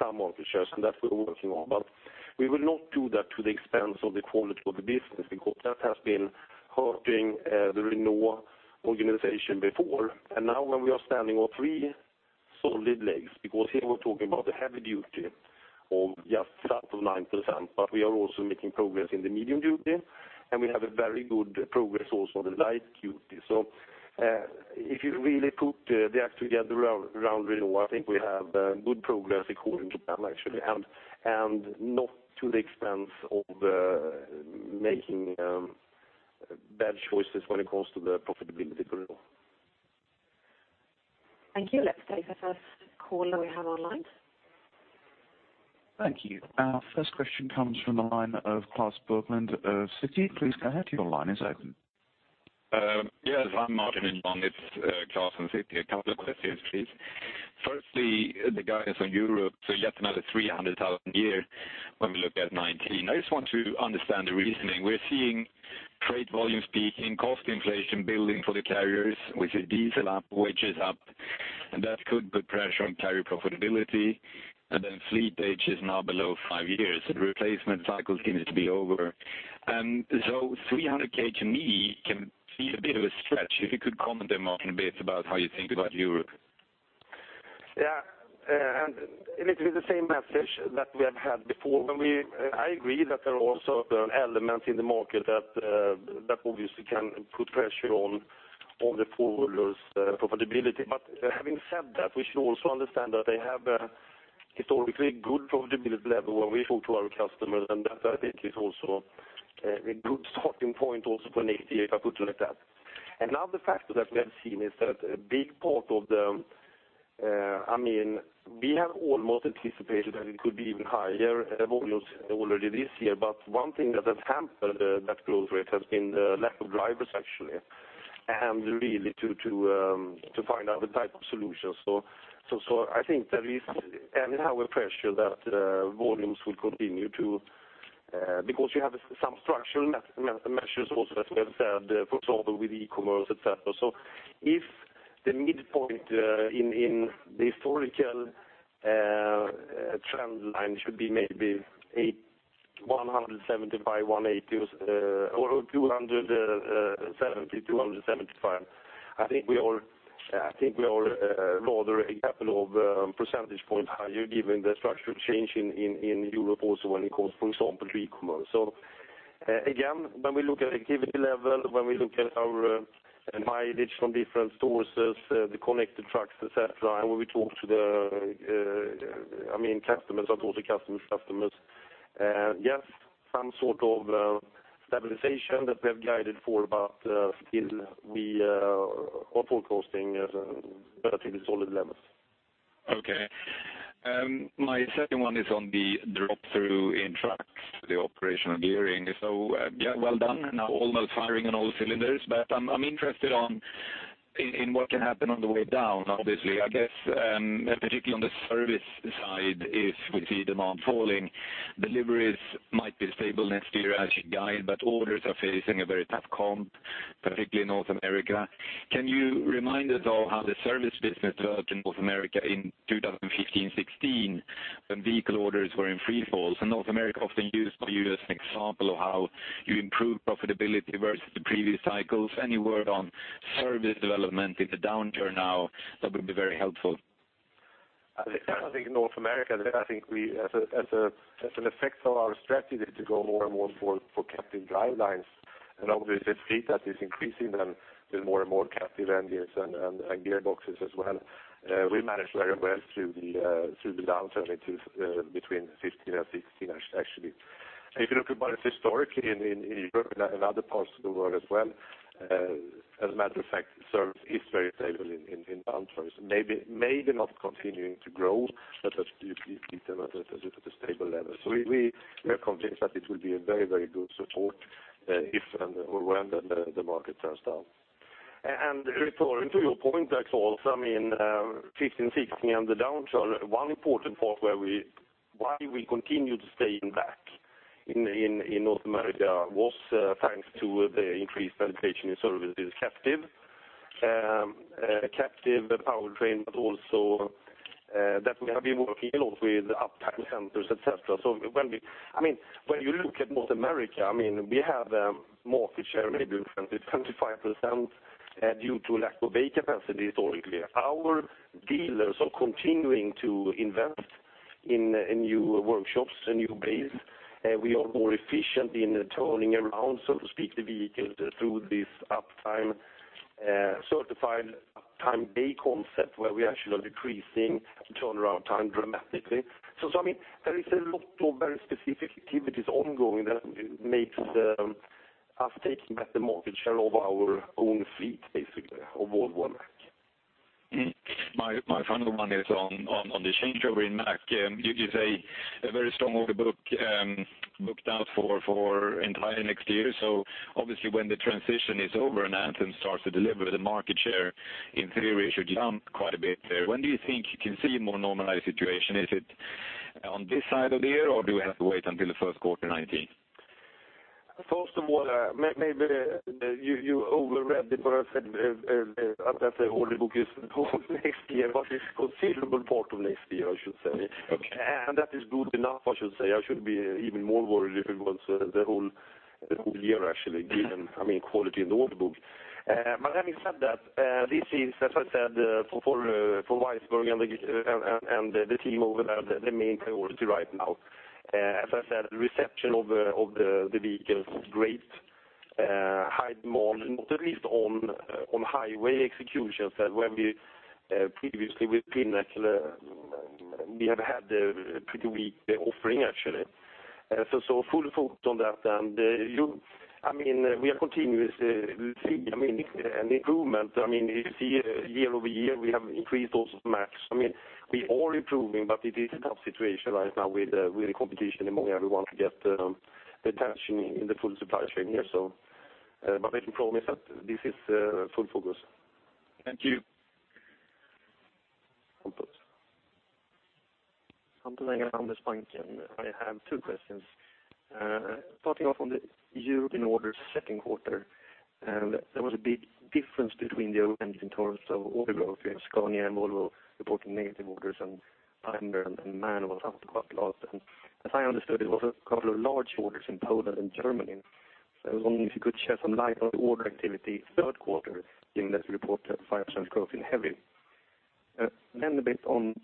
some market shares, and that we're working on. We will not do that to the expense of the quality of the business, because that has been hurting the Renault organization before. Now when we are standing on three solid legs, because here we're talking about the heavy duty of just south of nine percent, but we are also making progress in the medium duty, and we have a very good progress also on the light duty. If you really put the activity around Renault, I think we have good progress according to plan, actually, and not to the expense of making bad choices when it comes to the profitability for Renault. Thank you. Let's take the first caller we have online. Thank you. Our first question comes from the line of Klas Bergelind of Citigroup. Please go ahead. Your line is open. Yes, I'm marking along. It's Klas from Citi. A couple of questions, please. Firstly, the guidance on Europe. Yet another 300,000 a year when we look at 2019. I just want to understand the reasoning. We're seeing trade volumes peaking, cost inflation building for the carriers. We see diesel up, wages up, that could put pressure on carrier profitability, then fleet age is now below five years. The replacement cycle seems to be over. 300,000 to me can feel a bit of a stretch. If you could comment a bit about how you think about Europe. Yeah. It is the same message that we have had before. I agree that there are also elements in the market that obviously can put pressure on the haulers profitability. Having said that, we should also understand that they have a historically good profitability level when we talk to our customers, that I think is also a good starting point also for next year, if I put it like that. Another factor that we have seen is that a big part of the, we have almost anticipated that it could be even higher volumes already this year. One thing that has hampered that growth rate has been the lack of drivers, actually, and really to find other type of solutions. I think there is anyhow a pressure that volumes will continue to because you have some structural measures also, as we have said, for example, with e-commerce, et cetera. If the midpoint in the historical trend line should be maybe 175, 180 or 270, 275, I think we are rather a couple of percentage points higher given the structural change in Europe also when it comes, for example, to e-commerce. Again, when we look at activity level, when we look at our mileage from different sources, the connected trucks, et cetera, when we talk to the customers or to the customers' customers, yes, some sort of stabilization that we have guided for, still we are forecasting relatively solid levels. Okay. My second one is on the drop-through in trucks, the operational gearing. Yeah, well done. Now almost firing on all cylinders, but I am interested in what can happen on the way down, obviously. I guess, particularly on the service side, if we see demand falling, deliveries might be stable next year as you guide, but orders are facing a very tough comp, particularly in North America. Can you remind us all how the service business worked in North America in 2015, 2016 when vehicle orders were in free fall? North America often used by you as an example of how you improve profitability versus the previous cycles. Any word on service development in the downturn now, that would be very helpful. North America, as an effect of our strategy to go more and more for captive drivelines, and obviously the fleet that is increasing them with more and more captive engines and gearboxes as well. We managed very well through the downturn between 2015 and 2016, actually. If you look upon us historically in Europe and other parts of the world as well, as a matter of fact, service is very stable in downturns. Maybe not continuing to grow, but at a stable level. We are convinced that it will be a very good support if and when the market turns down. Referring to your point, Klas, 2015, 2016, and the downturn, one important part why we continued staying back in North America was thanks to the increased penetration in services captive. Captive powertrain, but also that we have been working a lot with uptime centers, et cetera. When you look at North America, we have a market share, maybe 20%, 25%, due to lack of bay capacity historically. Our dealers are continuing to invest in new workshops and new bays. We are more efficient in turning around, so to speak, the vehicles through this certified uptime bay concept where we actually are decreasing turnaround time dramatically. There is a lot of very specific activities ongoing that makes us taking back the market share of our own fleet, basically, of Volvo Mack. My final one is on the changeover in Mack. You say a very strong order book, booked out for entire next year. Obviously when the transition is over and Anthem starts to deliver, the market share in theory should jump quite a bit there. When do you think you can see a more normalized situation? Is it on this side of the year or do we have to wait until the first quarter 2019? First of all, maybe you overread it, I said that the order book is next year, it's considerable part of next year, I should say. Okay. That is good enough, I should say. I should be even more worried if it was the whole year, actually, given quality in the order book. Having said that, this is, as I said, for Weissburg and the team over there, the main priority right now. As I said, reception of the vehicles is great. High demand, not at least on highway executions that when we previously with Mack, we have had a pretty weak offering, actually. Full focus on that. We are continuously seeing an improvement. You see year-over-year, we have increased also Mack. We are improving, it is a tough situation right now with the competition among everyone to get the attention in the full supply chain here. I can promise that this is full focus. Thank you. Hans. [Anders Bouvin]. I have two questions. Starting off on the European orders second quarter, there was a big difference between the OEMs in terms of order growth. You have Scania and Volvo reporting negative orders, MAN was up quite a lot. As I understood, there was a couple of large orders in Poland and Germany. I was wondering if you could share some light on order activity third quarter, given that you reported 5% growth in heavy. A bit on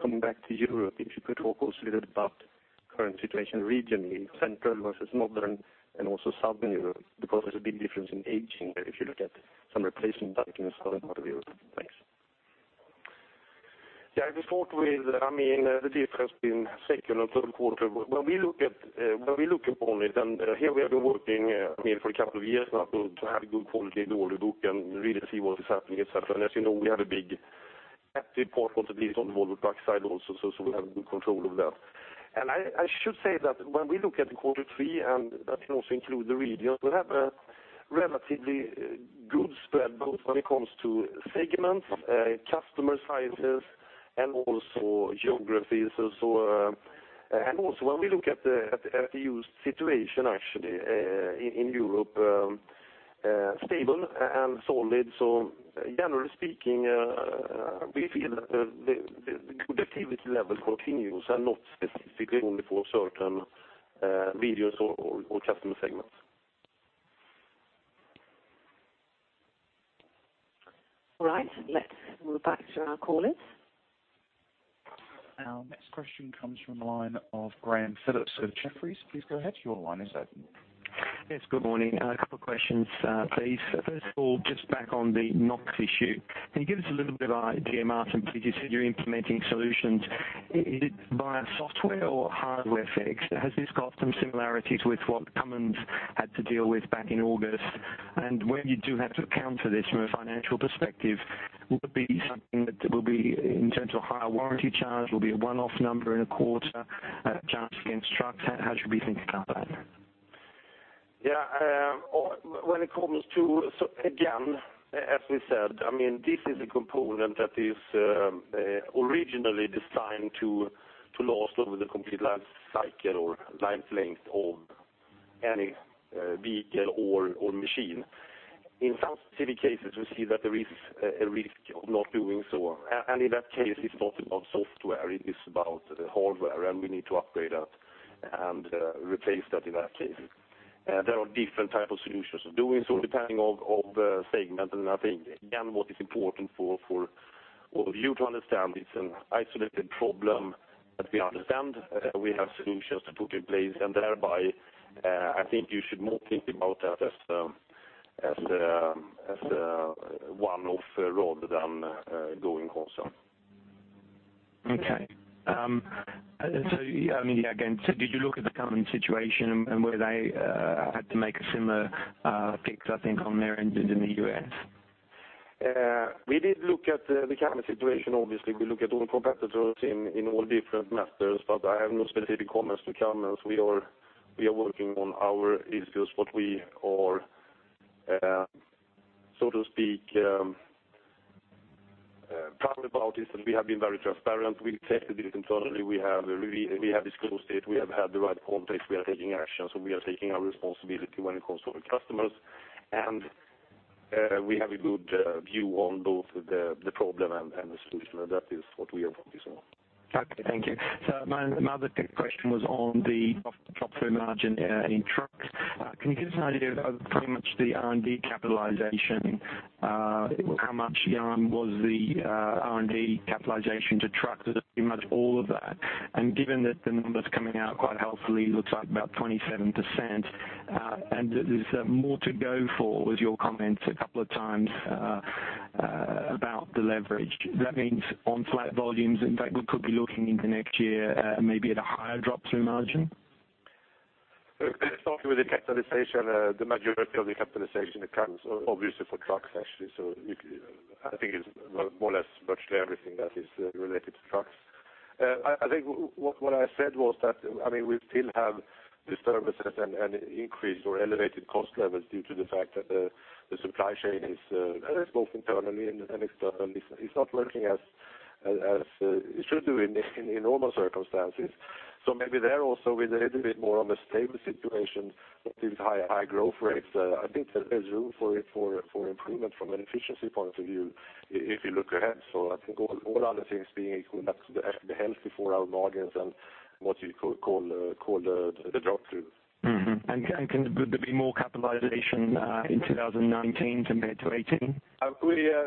coming back to Europe, if you could talk also a little about current situation regionally, Central versus Northern and also Southern Europe, because there's a big difference in aging there if you look at some replacement back in the southern part of Europe. Thanks. We thought with the difference between second and third quarter, when we look upon it, and here we have been working for a couple of years now to have good quality in the order book and really see what is happening, et cetera. As you know, we have a big active part, at least on the Volvo Trucks side also, so we have good control of that. I should say that when we look at the quarter three, and that can also include the regions, we have a relatively good spread, both when it comes to segments, customer sizes, and also geographies. Also when we look at the used situation, actually, in Europe, stable and solid. Generally speaking, we feel that the good activity level continues, and not specifically only for certain regions or customer segments. All right. Let's move back to our callers. Our next question comes from the line of Graham Phillips of Jefferies. Please go ahead. Your line is open. Yes, good morning. A couple of questions, please. First of all, just back on the NOx issue. Can you give us a little bit of idea, Martin, please? You said you're implementing solutions. Is it via software or hardware fix? Has this got some similarities with what Cummins had to deal with back in August? When you do have to account for this from a financial perspective, will it be something that will be in terms of higher warranty charge? Will it be a one-off number in a quarter charged against trucks? How should we think about that? Yeah. Again, as we said, this is a component that is originally designed to last over the complete life cycle or life length of any vehicle or machine. In some specific cases, we see that there is a risk of not doing so. In that case, it's not about software, it is about the hardware, and we need to upgrade that and replace that in that case. There are different type of solutions of doing so, depending of segment. I think, again, what is important for all of you to understand, it's an isolated problem that we understand. We have solutions to put in place, thereby, I think you should more think about that as a one-off rather than going concern. Okay. Again, did you look at the Cummins situation and where they had to make a similar fix, I think, on their end in the U.S.? We did look at the Cummins situation. Obviously, we look at all competitors in all different matters, but I have no specific comments to Cummins. We are working on our issues. What we are, so to speak, proud about is that we have been very transparent. We detected it internally. We have disclosed it. We have had the right context. We are taking action. We are taking our responsibility when it comes to our customers, and we have a good view on both the problem and the solution, and that is what we are focusing on. Okay, thank you. My other quick question was on the drop-through margin in trucks. Can you give us an idea of pretty much the R&D capitalization? How much was the R&D capitalization to trucks? Was it pretty much all of that? Given that the numbers coming out quite healthily, looks like about 27%, and there's more to go for was your comments a couple of times about the leverage. That means on flat volumes, in fact, we could be looking into next year maybe at a higher drop-through margin? Starting with the capitalization, the majority of the capitalization accounts obviously for trucks, actually. I think it's more or less virtually everything that is related to trucks. I think what I said was that we still have disturbances and increased or elevated cost levels due to the fact that the supply chain is both internally and externally, it's not working as it should do in normal circumstances. Maybe there also with a little bit more of a stable situation with these high growth rates, I think there's room for improvement from an efficiency point of view if you look ahead. I think all other things being equal, that's the healthy for our margins and what you call the drop-throughs. Mm-hmm. Can there be more capitalization in 2019 compared to 2018?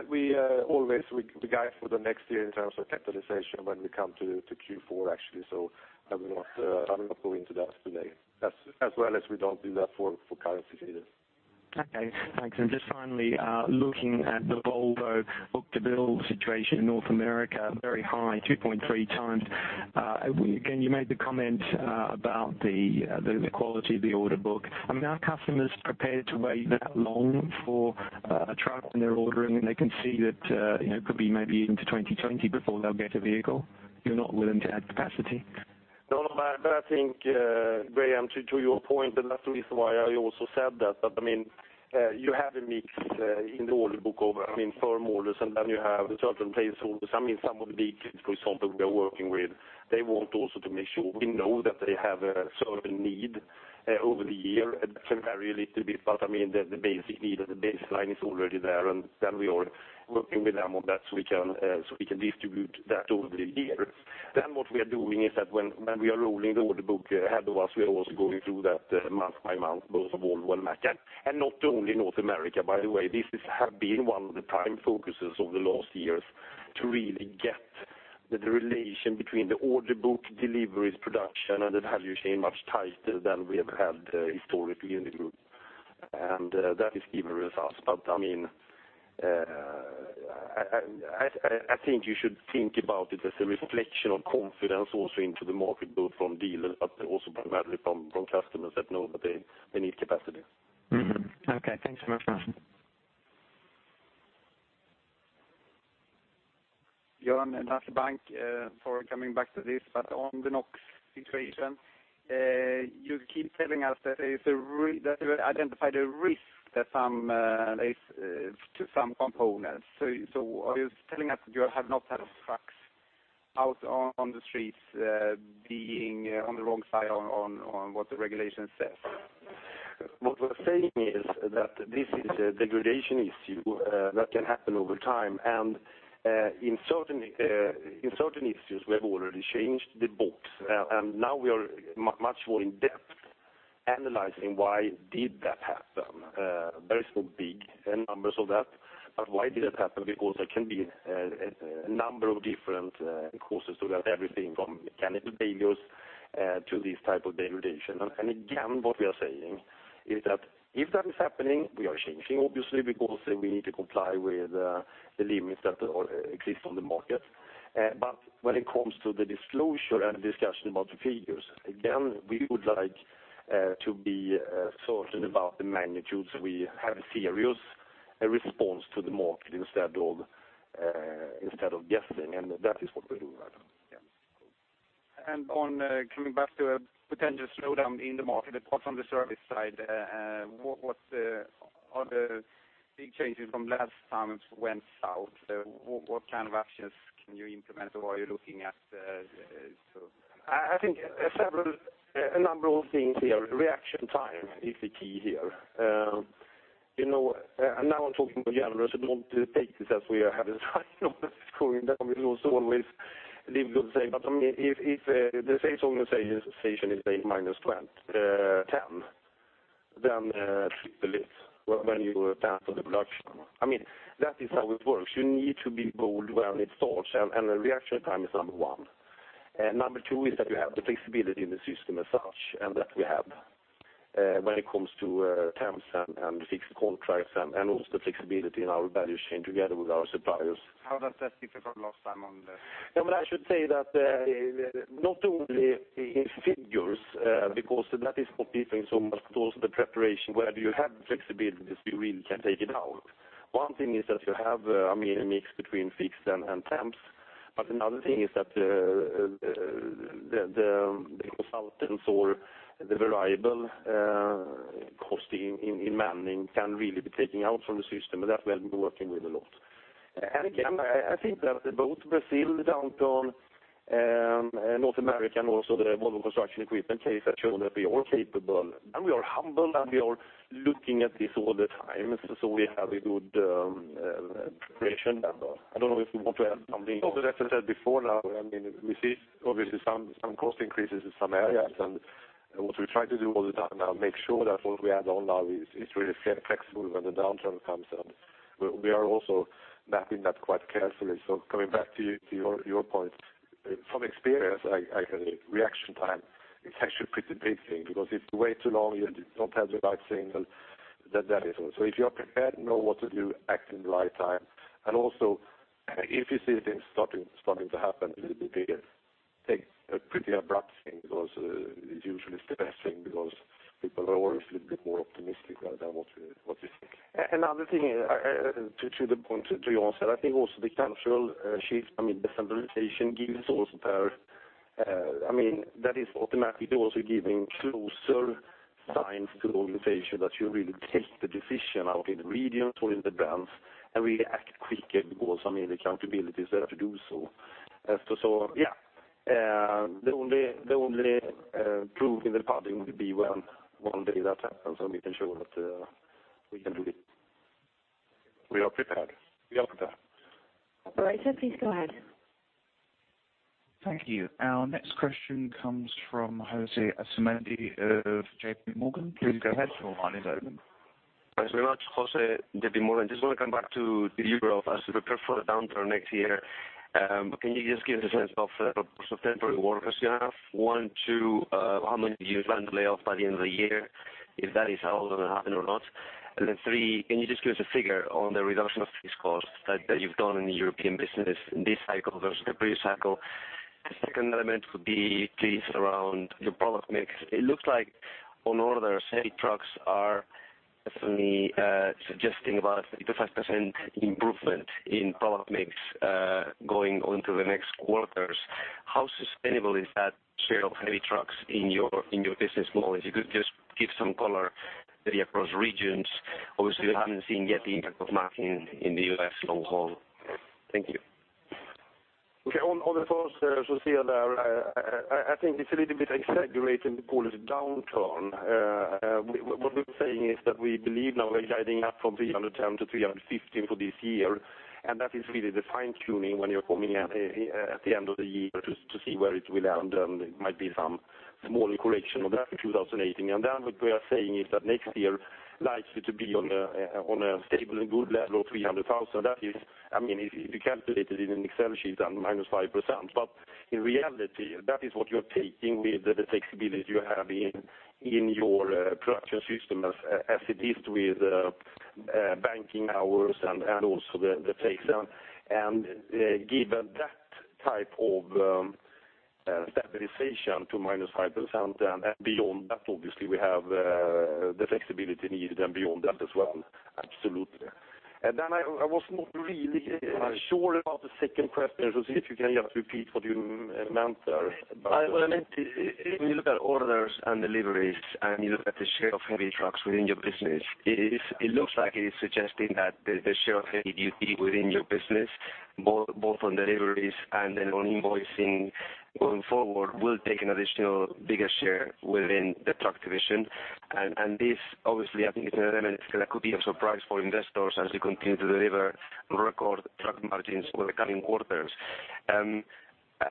We always guide for the next year in terms of capitalization when we come to Q4, actually. I will not go into that today. As well as we don't do that for currencies either. Okay, thanks. Just finally, looking at the Volvo book-to-bill situation in North America, very high, 2.3 times. Again, you made the comment about the quality of the order book. Are customers prepared to wait that long for a truck when they're ordering, and they can see that it could be maybe into 2020 before they'll get a vehicle? You're not willing to add capacity? I think, Graham, to your point, that's the reason why I also said that, you have a mix in the order book of firm orders, and then you have certain placeholders. Some of the big kids, for example, we are working with, they want also to make sure we know that they have a certain need over the year. That can vary a little bit, but the basic need or the baseline is already there, and then we are working with them on that so we can distribute that over the year. What we are doing is that when we are rolling the order book ahead of us, we are also going through that month by month, both Volvo and Mack. Not only North America, by the way. This has been one of the prime focuses over the last years to really get the relation between the order book, deliveries, production, and the value chain much tighter than we have had historically in the group. That is giving results. I think you should think about it as a reflection of confidence also into the market, both from dealers, but also primarily from customers that know that they need capacity. Okay. Thanks very much. Johan Danielsson, Danske Bank, before coming back to this, on the NOx situation, you keep telling us that you identified a risk to some components. Are you telling us that you have not had trucks out on the streets being on the wrong side on what the regulation says? What we are saying is that this is a degradation issue that can happen over time. In certain issues, we have already changed the box. Now we are much more in depth analyzing why did that happen. Very small, big numbers of that, but why did that happen? Because there can be a number of different causes to that, everything from mechanical failures to this type of degradation. Again, what we are saying is that if that is happening, we are changing, obviously, because we need to comply with the limits that exist on the market. When it comes to the disclosure and discussion about the figures, again, we would like to be certain about the magnitudes. We have a serious response to the market instead of guessing, and that is what we do right now. Yes, cool. Coming back to a potential slowdown in the market, apart from the service side, what are the big changes from last time it went south? What kind of actions can you implement, or are you looking at? I think a number of things here. Reaction time is the key here. Now I'm talking generally, so don't take this as we are having a sign of what is going down. We also always leave good saying, but if the safe zone, let's say, in the station is, say, -20, 10, then flip the list when you plan for the production. That is how it works. You need to be bold when it starts, and the reaction time is number 1. Number 2 is that you have the flexibility in the system as such, that we have when it comes to temps and fixed contracts, also the flexibility in our value chain together with our suppliers. How does that differ from last time on the? I should say that not only in figures, because that is not differing so much. The preparation, where you have the flexibilities, you really can take it out. One thing is that you have a mix between fixed and temps, but another thing is that the consultants or the variable costing in manning can really be taken out from the system, and that we have been working with a lot. Again, I think that both Brazil, the downturn, North America, and also the Volvo Construction Equipment case have shown that we are capable, and we are humble, and we are looking at this all the time so we have a good preparation. I don't know if you want to add something. As I said before now, we see obviously some cost increases in some areas, and what we try to do all the time now, make sure that what we have on now is really flexible when the downturn comes, and we are also mapping that quite carefully. Coming back to your point, from experience, reaction time is actually a pretty big thing, because if you wait too long, you don't have the right signal, then that is over. If you are prepared, know what to do, act in the right time, and also, if you see things starting to happen, it will be bigger. Take a pretty abrupt thing, because it usually is the best thing, because people are always a little bit more optimistic than what you think. Another thing, to the point, to your answer, I think also the cultural shift, decentralization gives also pair. That is automatically also giving closer signs to the organization that you really take the decision out in the regions or in the brands, and really act quicker because accountability is there to do so. Yeah. The only proof in the pudding will be when one day that happens, and we can show that we can do it. We are prepared. We are prepared. Operator, please go ahead. Thank you. Our next question comes from José Asumendi of J.P. Morgan. Please go ahead. Your line is open. Thanks very much, José, J.P. Morgan. I just want to come back to the Europe as we prepare for the downturn next year. Can you just give us a sense of the temporary workers you have? One, two, how many do you plan to lay off by the end of the year? If that is at all going to happen or not. Then three, can you just give us a figure on the reduction of fixed costs that you've done in the European business this cycle versus the previous cycle? The second element would be please around your product mix. It looks like on order, heavy trucks are definitely suggesting about a 35% improvement in product mix, going on to the next quarters. How sustainable is that share of heavy trucks in your business model? If you could just give some color maybe across regions. Obviously, we haven't seen yet the impact of Mack in the U.S. long haul. Thank you. Okay. On the first, José, I think it's a little bit exaggerated to call it a downturn. What we are saying is that we believe now we are guiding up from 310 to 315 for this year, and that is really the fine-tuning when you're coming at the end of the year to see where it will end. It might be some small correction on that in 2018. What we are saying is that next year likely to be on a stable and good level of 300,000. That is, if you calculate it in an Excel sheet, down -5%. In reality, that is what you are taking with the flexibility you have in your production system as it is with banking hours and also the takedown. Given that type of stabilization to -5%, beyond that, obviously, we have the flexibility needed, and beyond that as well. Absolutely. I was not really sure about the second question, José, if you can just repeat what you meant there about the What I meant, if you look at orders and deliveries, and you look at the share of heavy trucks within your business. It looks like it is suggesting that the share of heavy duty within your business, both on deliveries and on invoicing going forward, will take an additional bigger share within the truck division. This obviously, I think it's an element that could be a surprise for investors as you continue to deliver record truck margins for the coming quarters. In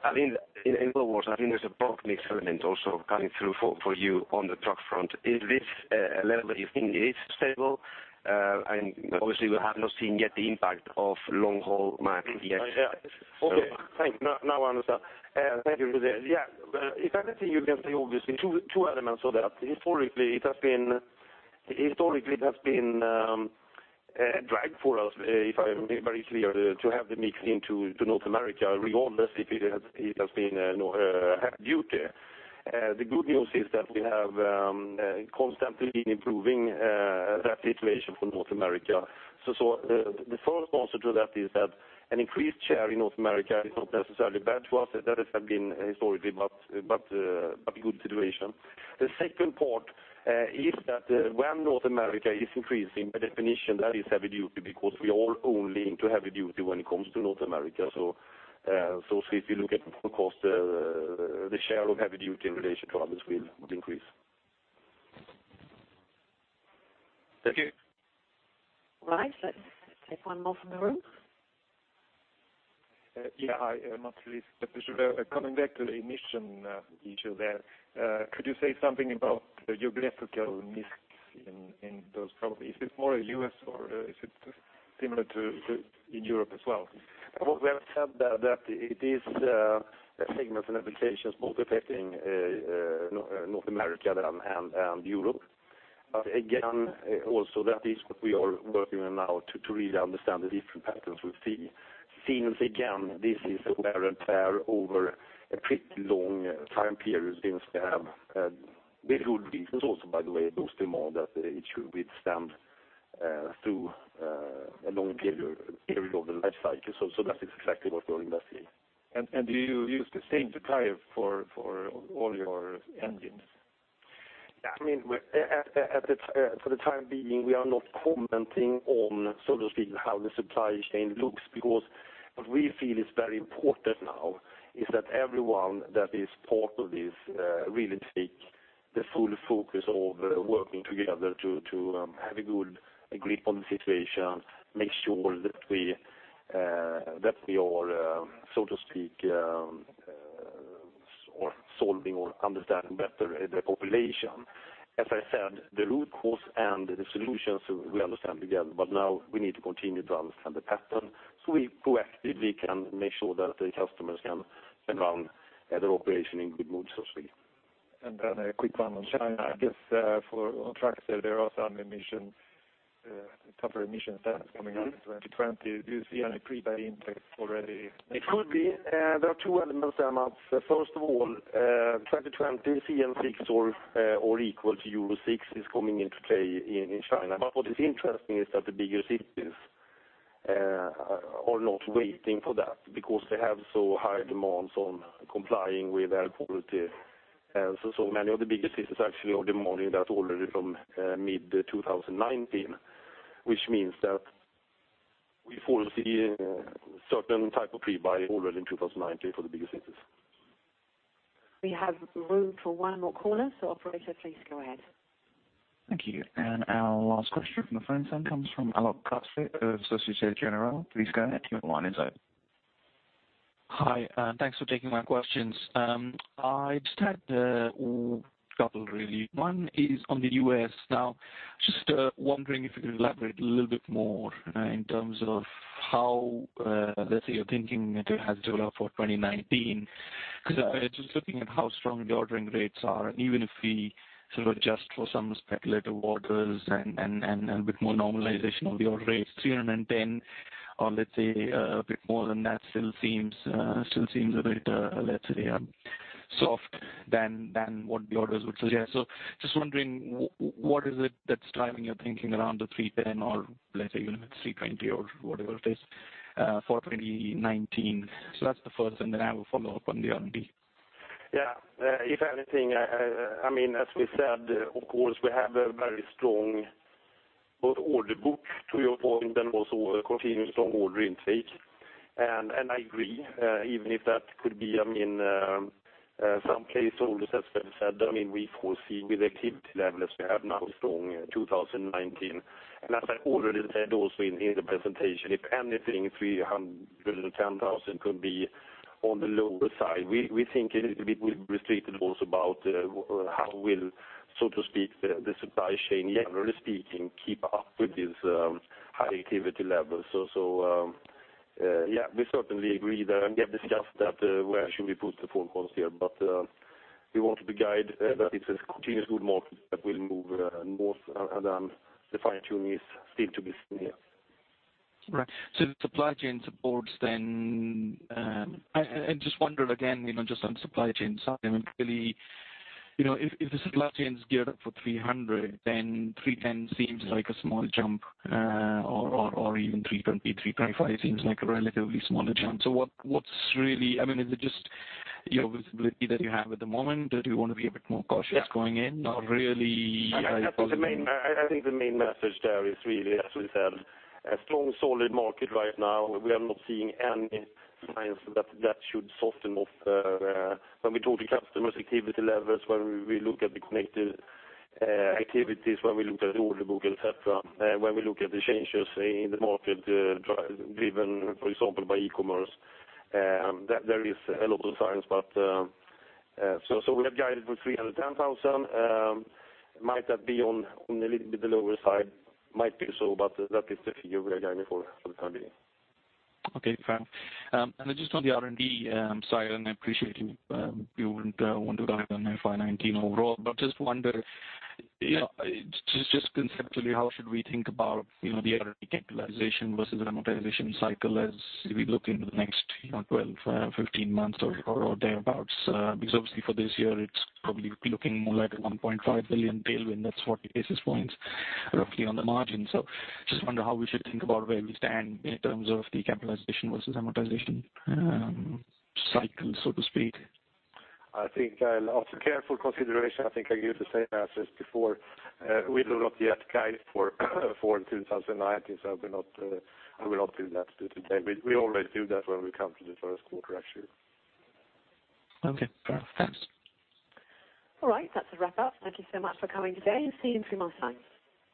other words, I think there's a product mix element also coming through for you on the truck front. Is this a level that you think is stable? Obviously we have not seen yet the impact of long haul Mack yet. Okay, thank you. Now I understand. Thank you, José. If anything, you can say obviously two elements of that. Historically, it has been a drag for us, if I am being very clear, to have the mix into North America reorders, it has been heavy duty. The good news is that we have constantly been improving that situation for North America. The first answer to that is that an increased share in North America is not necessarily bad to us. That has been historically, but a good situation. The second part is that when North America is increasing, by definition, that is heavy duty because we are all only into heavy duty when it comes to North America. If you look at the cost, the share of heavy duty in relation to others will increase. Thank you. Let's take one more from the room. Hi, Martin Lee, Deutsche Bank. Coming back to the emission issue there. Could you say something about your geographical mix in those problems? Is this more in U.S. or is it similar to in Europe as well? What we have said that it is a segment and applications both affecting North America and Europe. Again, also that is what we are working on now to really understand the different patterns we see, since again, this is wear and tear over a pretty long time period, since they have very good reasons also, by the way, those demand that it should withstand through a long period of the life cycle. That is exactly what we are investigating. Do you use the same supplier for all your engines? For the time being, we are not commenting on, so to speak, how the supply chain looks, because what we feel is very important now is that everyone that is part of this really take the full focus of working together to have a good grip on the situation, make sure that we are, so to speak, solving or understanding better the population. As I said, the root cause and the solutions we understand together. Now we need to continue to understand the pattern so we proactively can make sure that the customers can run their operation in good mode, so to speak. Then a quick one on China, I guess, on trucks there are some emission, tougher emission standards coming out in 2020. Do you see any pre-buy impact already? It could be. There are two elements there, Martin. First of all, 2020 China 6 or equal to Euro 6 is coming into play in China. What is interesting is that the bigger cities are not waiting for that, because they have so high demands on complying with air quality. Many of the bigger cities actually are demanding that already from mid 2019, which means that we foresee a certain type of pre-buy already in 2019 for the bigger cities. We have room for one more caller, operator, please go ahead. Thank you. Our last question from the phone comes from Alok Gupta of Société Générale. Please go ahead, you have one in sight. Hi, thanks for taking my questions. I just had a couple really. One is on the U.S. Now, just wondering if you could elaborate a little bit more in terms of how, let's say, you're thinking it has developed for 2019. I was just looking at how strong the ordering rates are, and even if we sort of adjust for some speculative orders and a bit more normalization of the order rates, 310, or let's say a bit more than that, still seems a bit, let's say, soft than what the orders would suggest. Just wondering, what is it that's driving your thinking around the 310, or let's say even 320 or whatever it is, for 2019? That's the first, I will follow up on the R&D. Yeah. If anything, as we said, of course, we have a very strong order book, to your point, and also a continuous strong order intake. I agree, even if that could be, in some case orders, as Ben said, we foresee with activity levels we have now strong 2019. As I already said also in the presentation, if anything, 310,000 could be on the lower side. We think it will be restricted also about how will, so to speak, the supply chain, generally speaking, keep up with these high activity levels. Yeah, we certainly agree there, and we have discussed that where should we put the full cost here. We want to guide that it's a continuous good market that will move more than the fine-tuning is seen to be seen here. Right. The supply chain supports then I just wonder again, just on supply chain side, if the supply chain's geared up for 300, then 310 seems like a small jump, or even 320, 325 seems like a relatively smaller jump. What's really, is it just your visibility that you have at the moment? Do you want to be a bit more cautious going in? Or really high confidence- I think the main message there is really, as we said, a strong solid market right now. We are not seeing any signs that should soften off. When we talk to customers, activity levels, when we look at the connected activities, when we look at the order book, et cetera, when we look at the changes in the market driven, for example, by e-commerce, there is a lot of signs. We have guided for 310,000. Might that be on a little bit the lower side? Might be so, but that is the figure we are guiding for the time being. Okay, fair enough. Then just on the R&D, I'm sorry, I appreciate you wouldn't want to guide on FY 2019 overall, just wonder, just conceptually, how should we think about the R&D capitalization versus amortization cycle as we look into the next 12, 15 months or thereabouts? Obviously for this year, it's probably looking more like a 1.5 billion tailwind. That's 40 basis points roughly on the margin. Just wonder how we should think about where we stand in terms of the capitalization versus amortization cycle, so to speak. I think after careful consideration, I think I give the same answer as before. We do not yet guide for 2019. I will not do that today. We always do that when we come to the first quarter next year. Okay, fair enough. Thanks. All right. That's a wrap up. Thank you so much for coming today, and see you in three months time.